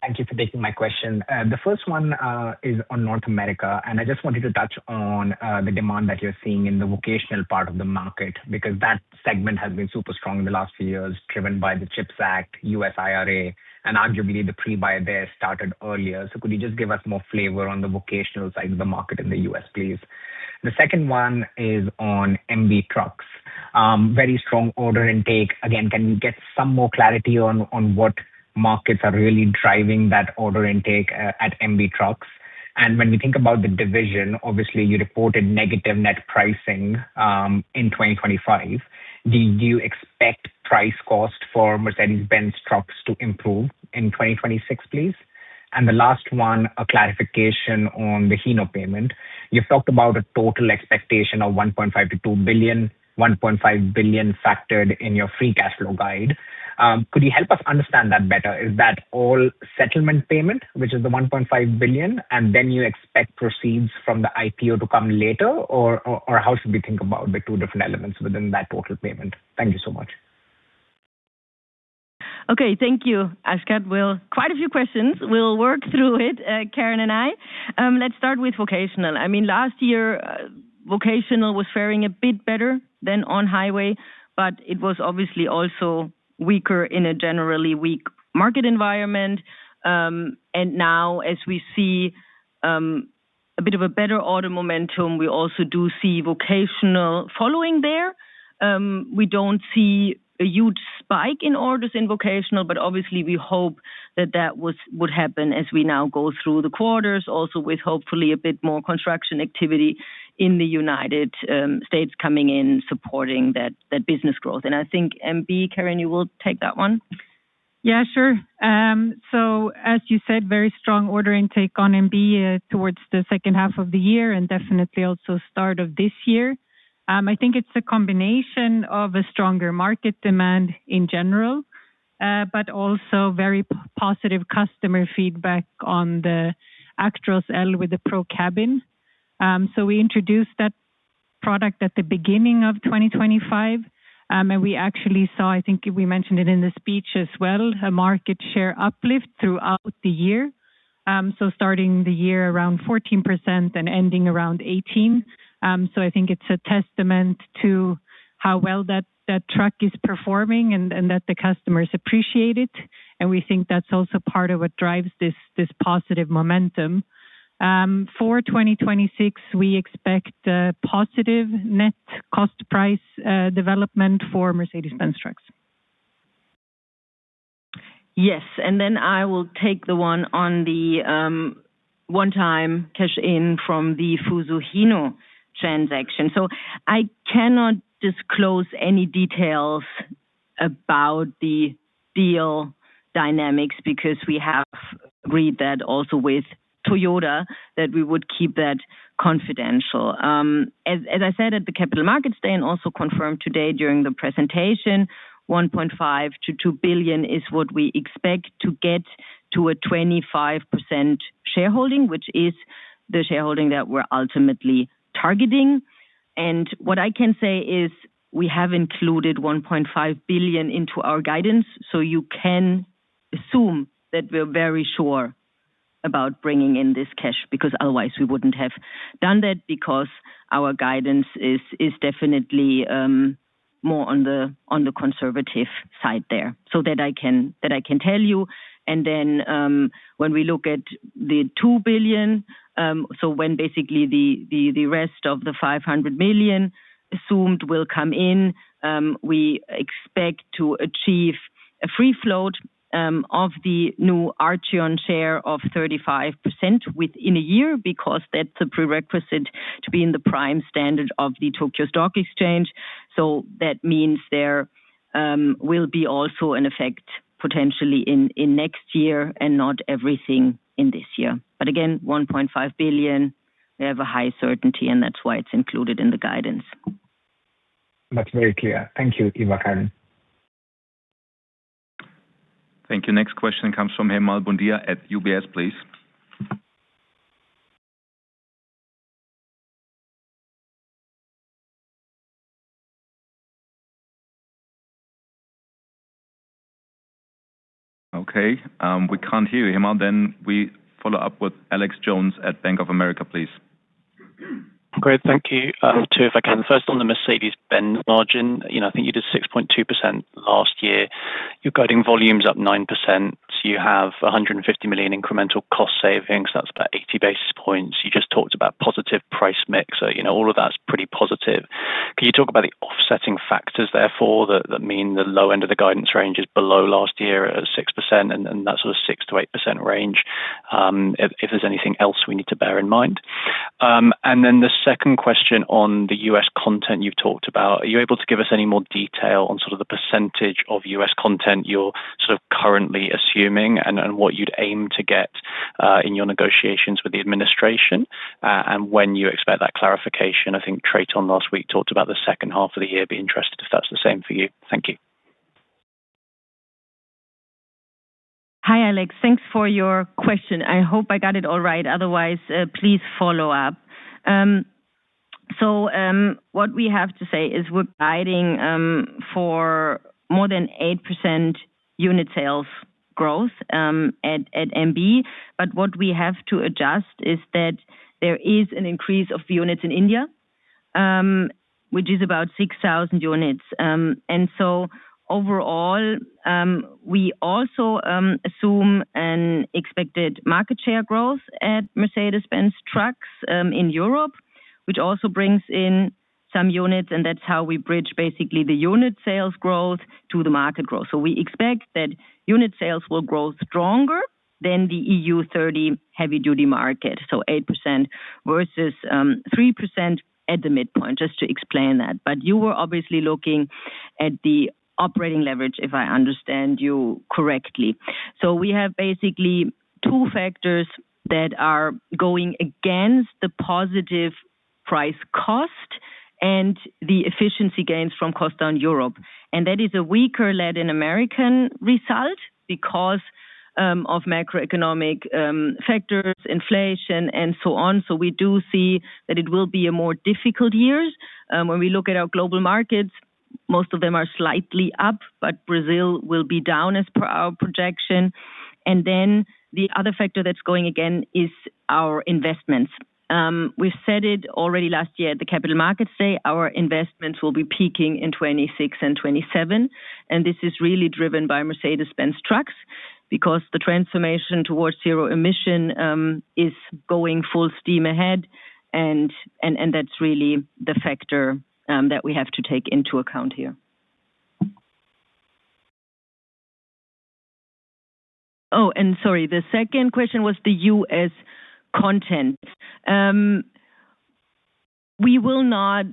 Thank you for taking my question. The first one is on North America, and I just wanted to touch on the demand that you're seeing in the vocational part of the market, because that segment has been super strong in the last few years, driven by the CHIPS Act, U.S. IRA, and arguably the pre-buy there started earlier. Could you just give us more flavor on the vocational side of the market in the U.S., please? The second one is on MV trucks. Very strong order intake. Again, can you get some more clarity on what markets are really driving that order intake at Mercedes-Benz Trucks? And when we think about the division, obviously you reported negative net pricing in 2025. Do you expect price cost for Mercedes-Benz trucks to improve in 2026, please? The last one, a clarification on the Hino payment. You've talked about a total expectation of 1.5 billion to 2 billion, 1.5 billion factored in your free cash flow guide. Could you help us understand that better? Is that all settlement payment, which is the 1.5 billion, and then you expect proceeds from the IPO to come later? Or how should we think about the two different elements within that total payment? Thank you so much. Okay, thank you, Akshat. Well, quite a few questions. We'll work through it, Karin and I. Let's start with vocational. I mean, last year, vocational was faring a bit better than on-highway, but it was obviously also weaker in a generally weak market environment. Now as we see, a bit of a better order momentum, we also do see vocational following there. We don't see a huge spike in orders in vocational, but obviously we hope that that would happen as we now go through the quarters also with hopefully a bit more construction activity in the United States coming in supporting that business growth. I think MB, Karin, you will take that one. Yeah, sure. As you said, very strong order intake on MB towards the second half of the year and definitely also start of this year. I think it's a combination of a stronger market demand in general, but also very positive customer feedback on the Actros L with the ProCabin. We introduced that product at the beginning of 2025, and we actually saw, I think we mentioned it in the speech as well, a market share uplift throughout the year. Starting the year around 14% and ending around 18%. I think it's a testament to how well that truck is performing and that the customers appreciate it. We think that's also part of what drives this positive momentum. For 2026, we expect a positive net cost price development for Mercedes-Benz Trucks. Yes. I will take the one on the one-time cash in from the Fuso Hino transaction. I cannot disclose any details about the deal dynamics because we have agreed that also with Toyota that we would keep that confidential. As I said at the Capital Markets Day and also confirmed today during the presentation, 1.5 billion to 2 billion is what we expect to get to a 25% shareholding, which is the shareholding that we're ultimately targeting. What I can say is we have included 1.5 billion into our guidance. You can assume that we're very sure about bringing in this cash, because otherwise we wouldn't have done that because our guidance is definitely more on the conservative side there. That I can tell you. When we look at the 2 billion, so when basically the rest of the 500 million assumed will come in, we expect to achieve a free float of the new ARCHION share of 35% within a year because that's a prerequisite to be in the prime standard of the Tokyo Stock Exchange. That means there will be also an effect potentially in next year and not everything in this year. Again, 1.5 billion, we have a high certainty, and that's why it's included in the guidance. That's very clear. Thank you, Eva, Karin. Thank you. Next question comes from Hemal Bhundia at UBS, please. Okay. We can't hear you, Hemal. We follow up with Alexander Jones at Bank of America, please. Great. Thank you. Two if I can. First on the Mercedes-Benz margin, you know, I think you did 6.2% last year. You're guiding volumes up 9%. You have 150 million incremental cost savings, that's about 80 basis points. You just talked about positive price mix. You know, all of that's pretty positive. Can you talk about the offsetting factors therefore that mean the low end of the guidance range is below last year at 6% and that sort of 6% to 8% range, if there's anything else we need to bear in mind? Then the second question on the U.S. content you've talked about. Are you able to give us any more detail on sort of the percentage of U.S. content you're sort of currently assuming, and what you'd aim to get in your negotiations with the administration, and when you expect that clarification? I think Traton last week talked about the second half of the year. I'd be interested if that's the same for you. Thank you. Hi, Alex. Thanks for your question. I hope I got it all right, otherwise, please follow up. What we have to say is we're guiding for more than 8% unit sales growth at MB. What we have to adjust is that there is an increase of units in India, which is about 6,000 units. Overall, we also assume an expected market share growth at Mercedes-Benz Trucks in Europe. Which also brings in some units, and that's how we bridge basically the unit sales growth to the market growth. We expect that unit sales will grow stronger than the EU30 heavy-duty market. Eight percent versus 3% at the midpoint, just to explain that. You were obviously looking at the operating leverage, if I understand you correctly. We have basically two factors that are going against the positive price-cost and the efficiency gains from Cost Down Europe. That is a weaker Latin American result because of macroeconomic factors, inflation and so on. We do see that it will be a more difficult year. When we look at our global markets, most of them are slightly up, but Brazil will be down as per our projection. The other factor that's going against is our investments. We've said it already last year at the Capital Markets Day, our investments will be peaking in 2026 and 2027, and this is really driven by Mercedes-Benz Trucks because the transformation towards zero emission is going full steam ahead and that's really the factor that we have to take into account here. Oh, sorry, the second question was the U.S. content. We will not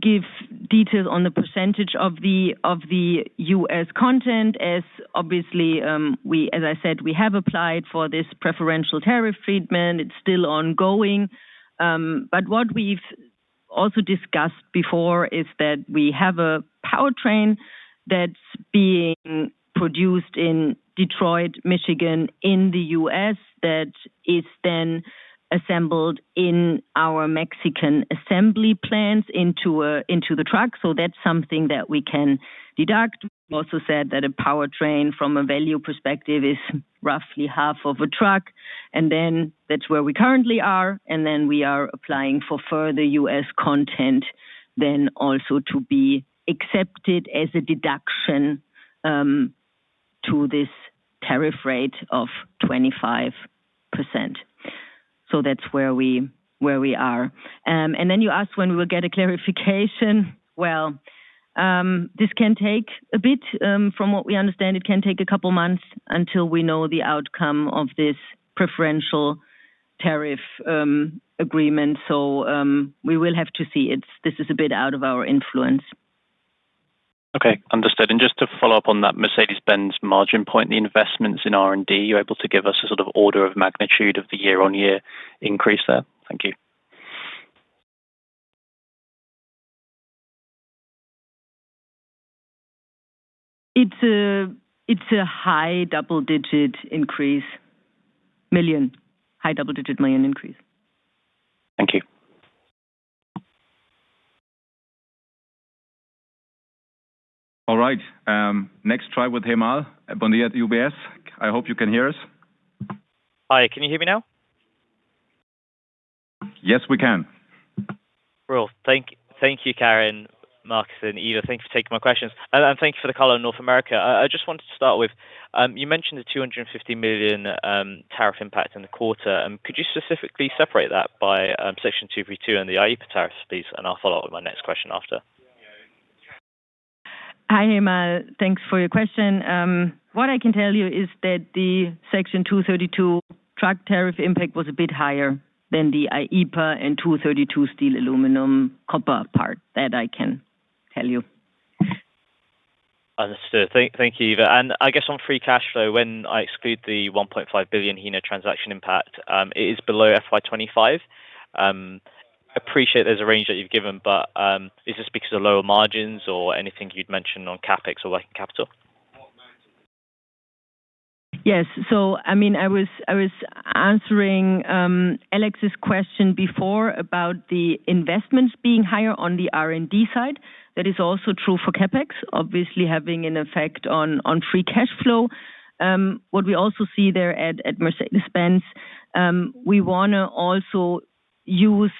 give details on the percentage of the U.S. content, as obviously, as I said, we have applied for this preferential tariff treatment. It's still ongoing. What we've also discussed before is that we have a powertrain that's being produced in Detroit, Michigan, in the U.S. that is then assembled in our Mexican assembly plants into the truck. That's something that we can deduct. Also said that a powertrain from a value perspective is roughly half of a truck, and then that's where we currently are. We are applying for further U.S. content then also to be accepted as a deduction to this tariff rate of 25%. That's where we are. You asked when we will get a clarification. This can take a bit, from what we understand, it can take a couple of months until we know the outcome of this preferential tariff agreement. We will have to see. This is a bit out of our influence. Okay. Understood. Just to follow up on that Mercedes-Benz margin point, the investments in R&D, are you able to give us a sort of order of magnitude of the year-on-year increase there? Thank you. It's a high double-digit increase. Million. High double-digit million increase. Thank you. All right. Next try with Hemal Bhundia at UBS. I hope you can hear us. Hi. Can you hear me now? Yes, we can. Well, thank you, Karin, Marcus, and Eva. Thanks for taking my questions. Thank you for the call on North America. I just wanted to start with you mentioned the $250 million tariff impact in the quarter. Could you specifically separate that by Section 232 and the IEEPA tariff, please? I'll follow up with my next question after. Hi, Hemal. Thanks for your question. What I can tell you is that the Section 232 truck tariff impact was a bit higher than the IEEPA and 232 steel aluminum copper parts, that I can tell you. Understood. Thank you, Eva. I guess on free cash flow, when I exclude the 1.5 billion Hino transaction impact, it is below FY 2025. I appreciate there's a range that you've given, but is this because of lower margins or anything you'd mention on CapEx or working capital? Yes. I mean, I was answering Alex's question before about the investments being higher on the R&D side. That is also true for CapEx, obviously having an effect on free cash flow. What we also see there at Mercedes-Benz, we wanna also use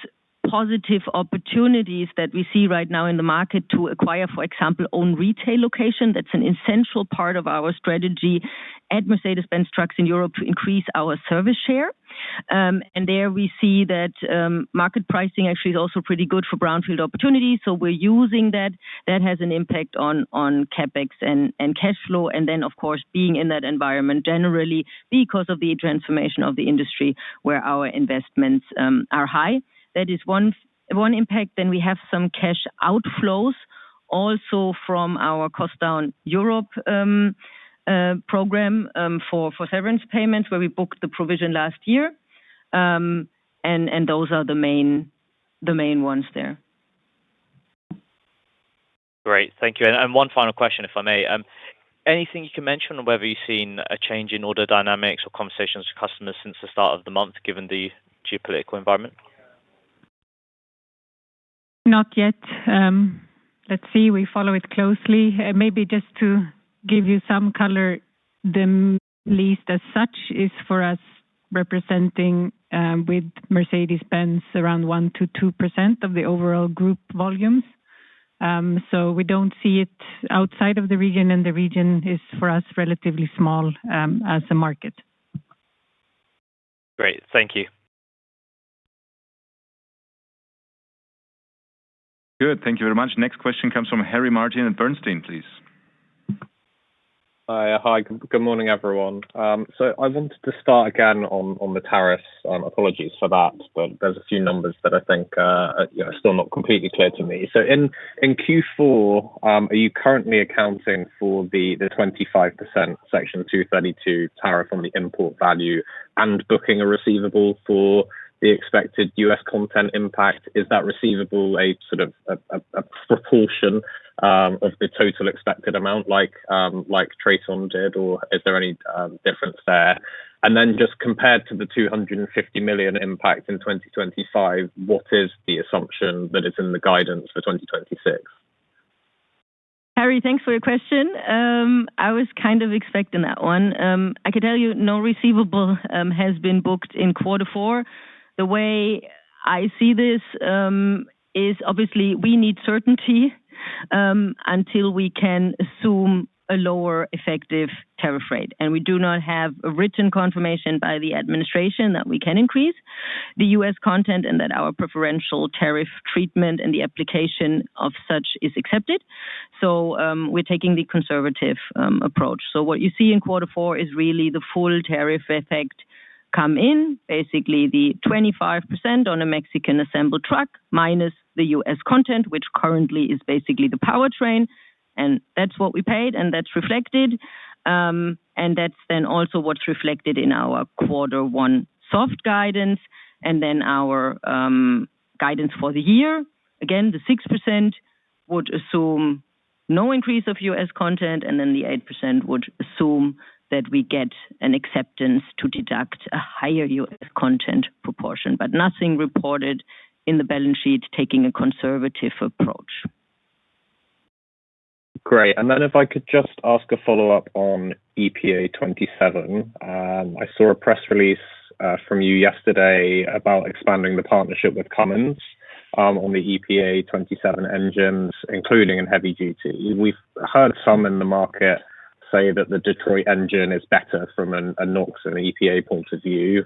positive opportunities that we see right now in the market to acquire, for example, own retail location. That's an essential part of our strategy at Mercedes-Benz Trucks in Europe to increase our service share. There we see that market pricing actually is also pretty good for brownfield opportunities. We're using that. That has an impact on CapEx and cash flow. Of course, being in that environment generally because of the transformation of the industry where our investments are high. That is one impact. We have some cash outflows also from our Cost Down Europe program for severance payments where we booked the provision last year. Those are the main ones there. Great. Thank you. One final question, if I may. Anything you can mention on whether you've seen a change in order dynamics or conversations with customers since the start of the month, given the geopolitical environment? Not yet. Let's see. We follow it closely. Maybe just to give you some color, the lease as such is for us representing with Mercedes-Benz around 1% to 2% of the overall group volumes. We don't see it outside of the region, and the region is for us relatively small as a market. Great. Thank you. Good. Thank you very much. Next question comes from Harry Martin at Bernstein, please. Hi. Good morning, everyone. I wanted to start again on the tariffs. Apologies for that, but there are a few numbers that I think, you know, are still not completely clear to me. In Q4, are you currently accounting for the 25% Section 232 tariff on the import value and booking a receivable for the expected U.S. content impact? Is that receivable a sort of a proportion of the total expected amount like Traton did, or is there any difference there? Just compared to the 250 million impact in 2025, what is the assumption that is in the guidance for 2026? Harry, thanks for your question. I was kind of expecting that one. I can tell you no receivable has been booked in Q4. The way I see this is obviously we need certainty until we can assume a lower effective tariff rate. We do not have a written confirmation by the administration that we can increase the U.S. content and that our preferential tariff treatment and the application of such is accepted. We're taking the conservative approach. What you see in quarter four is really the full tariff effect come in. Basically, the 25% on a Mexican assembled truck minus the U.S. content, which currently is basically the powertrain, and that's what we paid, and that's reflected. That's then also what's reflected in our quarter one soft guidance and then our guidance for the year. Again, the 6% would assume no increase of U.S. content, and then the 8% would assume that we get an acceptance to deduct a higher U.S. content proportion. Nothing reported in the balance sheet taking a conservative approach. Great. If I could just ask a follow-up on EPA 2027. I saw a press release from you yesterday about expanding the partnership with Cummins on the EPA 2027 engines, including in heavy duty. We've heard some in the market say that the Detroit engine is better from a NOx and EPA point of view.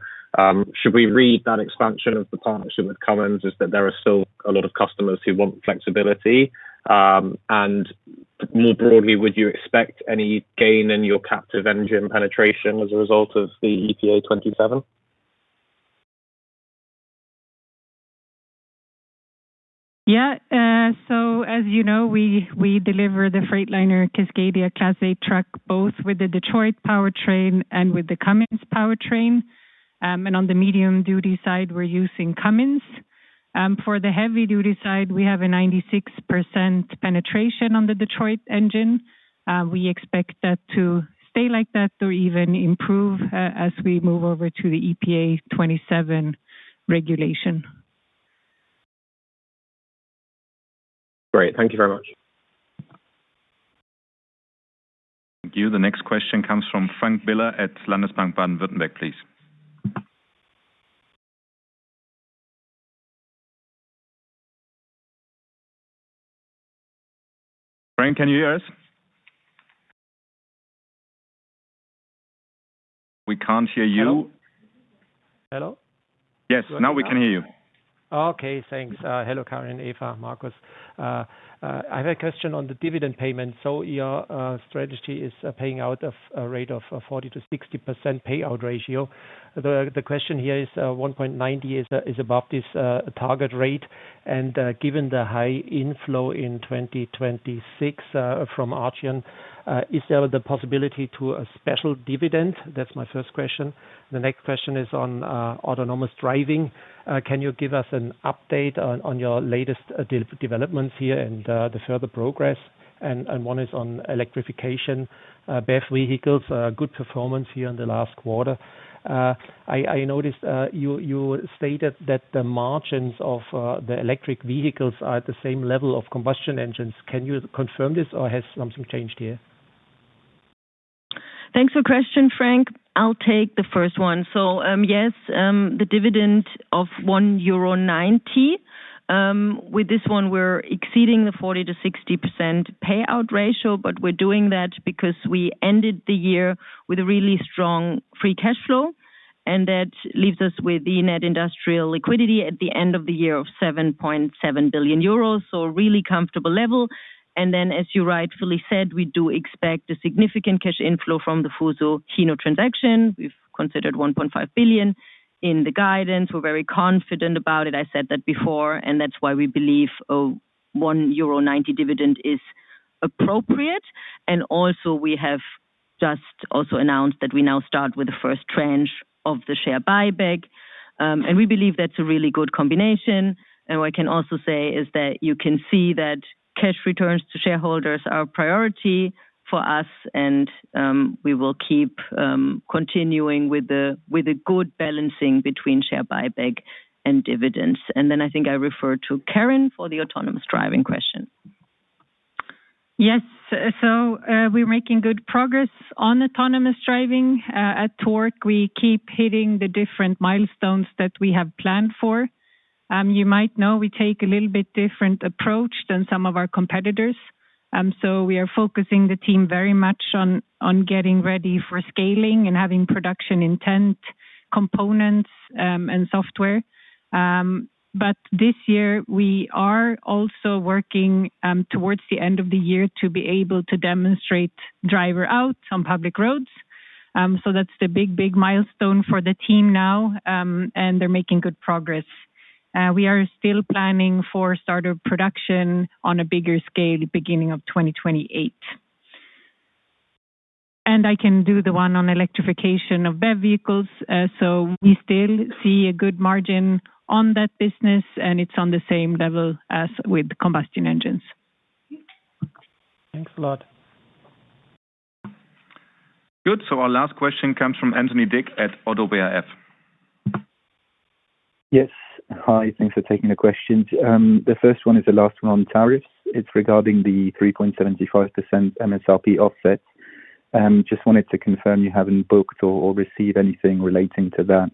Should we read that expansion of the partnership with Cummins is that there are still a lot of customers who want flexibility? More broadly, would you expect any gain in your captive engine penetration as a result of the EPA 2027? As you know, we deliver the Freightliner Cascadia Class 8 truck, both with the Detroit powertrain and with the Cummins powertrain. For the medium duty side, we're using Cummins. For the heavy duty side, we have a 96% penetration on the Detroit engine. We expect that to stay like that or even improve, as we move over to the EPA 2027 regulation. Great. Thank you very much. Thank you. The next question comes from Frank Biller at Landesbank Baden-Württemberg, please. Frank, can you hear us? We can't hear you. Hello? Yes. Now we can hear you. Okay. Thanks. Hello, Karin, Eva, Marcus. I have a question on the dividend payment. Your strategy is paying out of a rate of 40% to 60% payout ratio. The question here is, 1.90 is above this target rate. Given the high inflow in 2026 from ARCHION, is there the possibility to a special dividend? That's my first question. The next question is on autonomous driving. Can you give us an update on your latest developments here and the further progress? One is on electrification, BEV vehicles, good performance here in the last quarter. I noticed you stated that the margins of the electric vehicles are at the same level of combustion engines. Can you confirm this, or has something changed here? Thanks for the question, Frank. I'll take the first one. Yes, the dividend of 1.90 euro, with this one, we're exceeding the 40% to 60% payout ratio, but we're doing that because we ended the year with a really strong free cash flow, and that leaves us with the net industrial liquidity at the end of the year of 7.7 billion euros. A really comfortable level. Then, as you rightfully said, we do expect a significant cash inflow from the Fuso Hino transaction. We've considered 1.5 billion in the guidance. We're very confident about it. I said that before, and that's why we believe a 1.90 euro dividend is appropriate. We have just also announced that we now start with the first tranche of the share buyback. We believe that's a really good combination. What I can also say is that you can see that cash returns to shareholders are a priority for us, and we will keep continuing with a good balancing between share buyback and dividends. I think I refer to Karin for the autonomous driving question. Yes. We're making good progress on autonomous driving. At Torc, we keep hitting the different milestones that we have planned for. You might know we take a little bit different approach than some of our competitors. We are focusing the team very much on getting ready for scaling and having production intent components and software. This year we are also working towards the end of the year to be able to demonstrate driver out on public roads. That's the big milestone for the team now, and they're making good progress. We are still planning for start of production on a bigger scale beginning of 2028. I can do the one on electrification of BEV vehicles. We still see a good margin on that business, and it's on the same level as with combustion engines. Thanks a lot. Good. Our last question comes from Anthony Dick at Oddo BHF. Yes. Hi. Thanks for taking the questions. The first one is the last one on tariffs. It's regarding the 3.75% MSRP offset. Just wanted to confirm you haven't booked or received anything relating to that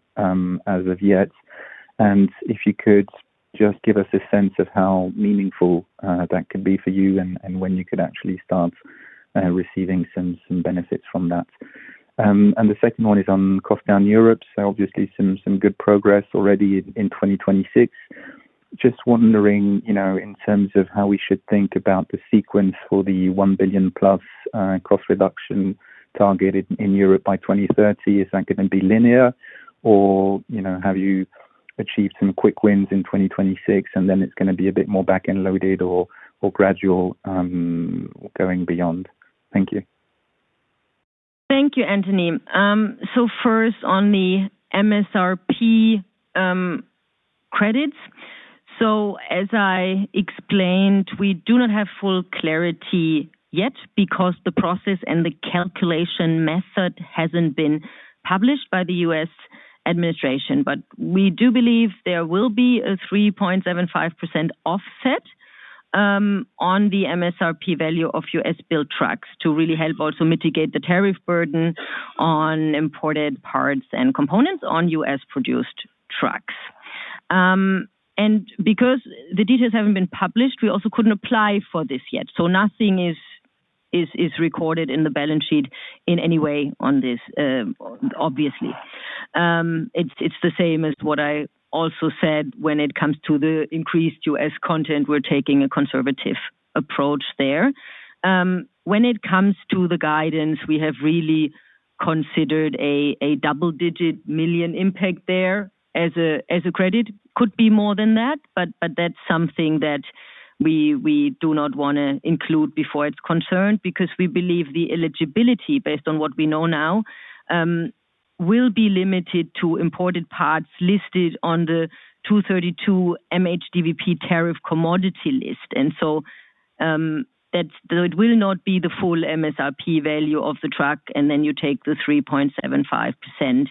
as of yet. If you could just give us a sense of how meaningful that could be for you and when you could actually start receiving some benefits from that. The second one is on Cost Down Europe. Obviously some good progress already in 2026. Just wondering in terms of how we should think about the sequence for the 1 billion-plus cost reduction targeted in Europe by 2030. Is that gonna be linear or, you know, have you achieved some quick wins in 2026 and then it's gonna be a bit more back-end loaded or gradual, going beyond? Thank you. Thank you, Anthony. First on the MSRP credits. As I explained, we do not have full clarity yet because the process and the calculation method hasn't been published by the U.S. administration. We do believe there will be a 3.75% offset on the MSRP value of U.S. built trucks to really help also mitigate the tariff burden on imported parts and components on U.S. produced trucks. Because the details haven't been published, we also couldn't apply for this yet. Nothing is recorded in the balance sheet in any way on this, obviously. It's the same as what I also said when it comes to the increased U.S. content. We're taking a conservative approach there. When it comes to the guidance, we have really considered a $10+ million impact there as a credit. Could be more than that, but that's something that we do not wanna include before it's confirmed because we believe the eligibility, based on what we know now, will be limited to imported parts listed on the Section 232 MHDVP tariff commodity list. That's, it will not be the full MSRP value of the truck, and then you take the 3.75%.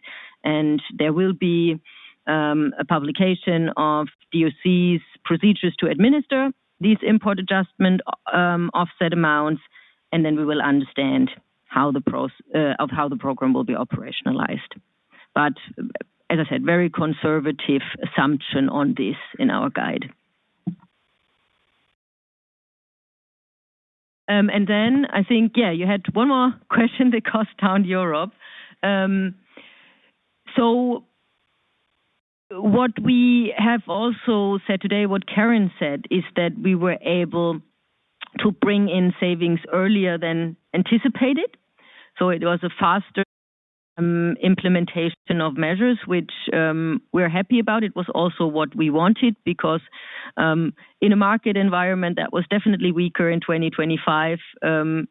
There will be a publication of DOC's procedures to administer these import adjustment offset amounts, and then we will understand how the program will be operationalized. As I said, very conservative assumption on this in our guide. I think, yeah, you had one more question, the Cost Down Europe. What we have also said today, what Karin said, is that we were able to bring in savings earlier than anticipated. It was a faster implementation of measures which we're happy about. It was also what we wanted because in a market environment that was definitely weaker in 2025, there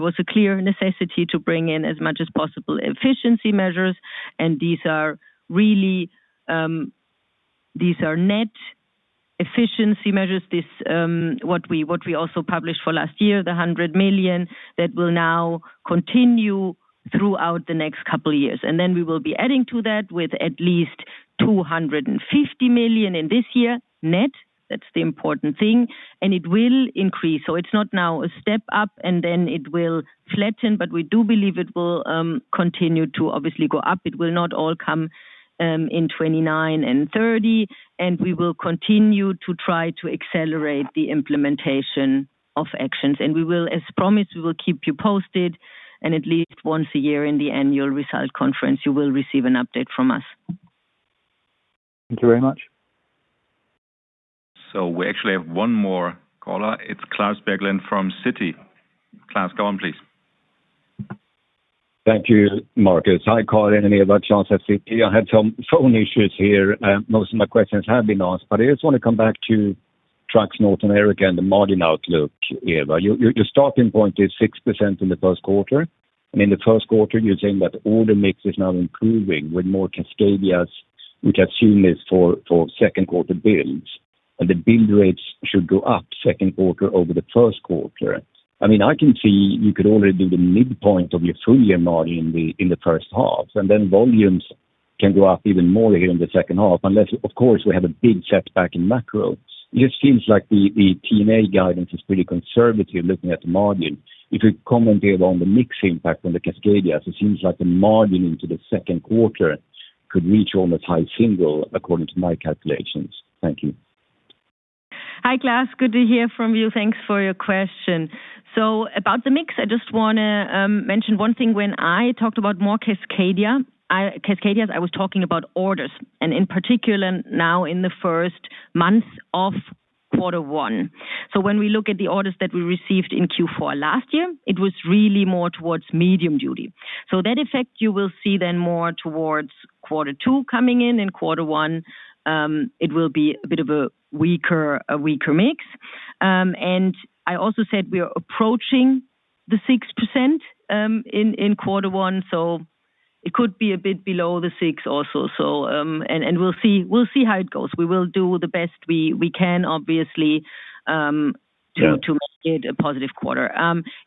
was a clear necessity to bring in as much as possible efficiency measures, and these are really net efficiency measures. What we also published for last year, the 100 million, that will now continue throughout the next couple years. We will be adding to that with at least 250 million in this year, net. That's the important thing. It will increase. It's not now a step up, and then it will flatten, but we do believe it will continue to obviously go up. It will not all come in 2029 and 2030, and we will continue to try to accelerate the implementation of actions. We will, as promised, keep you posted, and at least once a year in the annual results conference, you will receive an update from us. Thank you very much. We actually have one more caller. It's Klas Bergelind from Citi. Klas, go on please. Thank you, Marcus. Hi, Karin and Eva. Klas at Citi. I had some phone issues here. Most of my questions have been asked, but I just want to come back to Trucks North America and the margin outlook, Eva. Your starting point is 6% in the first quarter. In the Q1, you're saying that order mix is now improving with more Cascadias, which have seen this for Q2 builds. The build rates should go up second quarter over the Q1. I mean, I can see you could already do the midpoint of your full year margin in the first half, and then volumes can go up even more here in the second half, unless, of course, we have a big setback in macro. It just seems like the DTNA guidance is pretty conservative looking at the margin. If you could comment, Eva, on the mix impact on the Cascadia, so it seems like the margin in the second quarter could reach almost high single according to my calculations. Thank you. Hi, Klas. Good to hear from you. Thanks for your question. About the mix, I just wanna mention one thing. When I talked about more Cascadias, I was talking about orders and in particular now in the first months of quarter one. When we look at the orders that we received in Q4 last year, it was really more towards medium duty. That effect you will see then more towards quarter two coming in. In quarter one, it will be a bit of a weaker mix. I also said we are approaching the 6%, in quarter one, so it could be a bit below the 6% also. We'll see how it goes. We will do the best we can, obviously. Yeah. to make it a positive quarter.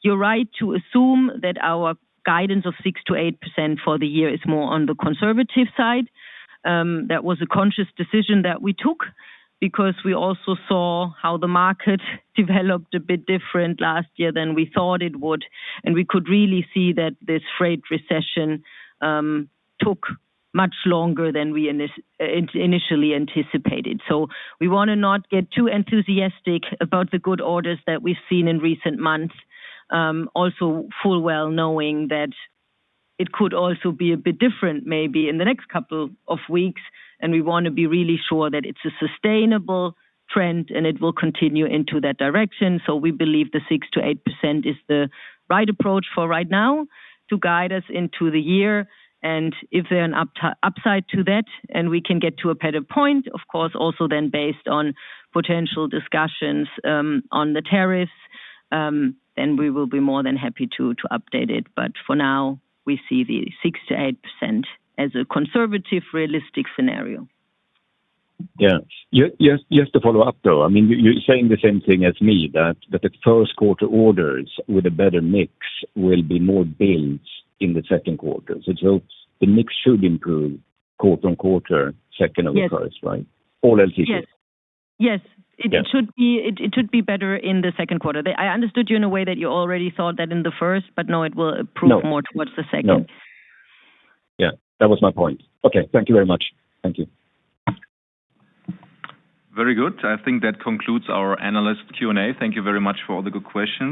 You're right to assume that our guidance of 6% to 8% for the year is more on the conservative side. That was a conscious decision that we took because we also saw how the market developed a bit different last year than we thought it would. We could really see that this freight recession took much longer than we initially anticipated. We wanna not get too enthusiastic about the good orders that we've seen in recent months, also full well knowing that it could also be a bit different maybe in the next couple of weeks, and we wanna be really sure that it's a sustainable trend and it will continue into that direction. We believe the 6% to 8% is the right approach for right now to guide us into the year. If there's an upside to that and we can get to a better point, of course also then based on potential discussions on the tariffs, then we will be more than happy to update it. For now we see the 6%-8% as a conservative, realistic scenario. Yeah. Just to follow up though, I mean, you're saying the same thing as me that the first quarter orders with a better mix will be more builds in the second quarter. So the mix should improve quarter on quarter, second over first. Yes. Right? All else equal. Yes. Yeah. It should be better in the second quarter. I understood you in a way that you already thought that in the first, but no, it will improve- No. More towards the second. No. Yeah, that was my point. Okay, thank you very much. Thank you. Very good. I think that concludes our analyst Q&A. Thank you very much for all the good questions.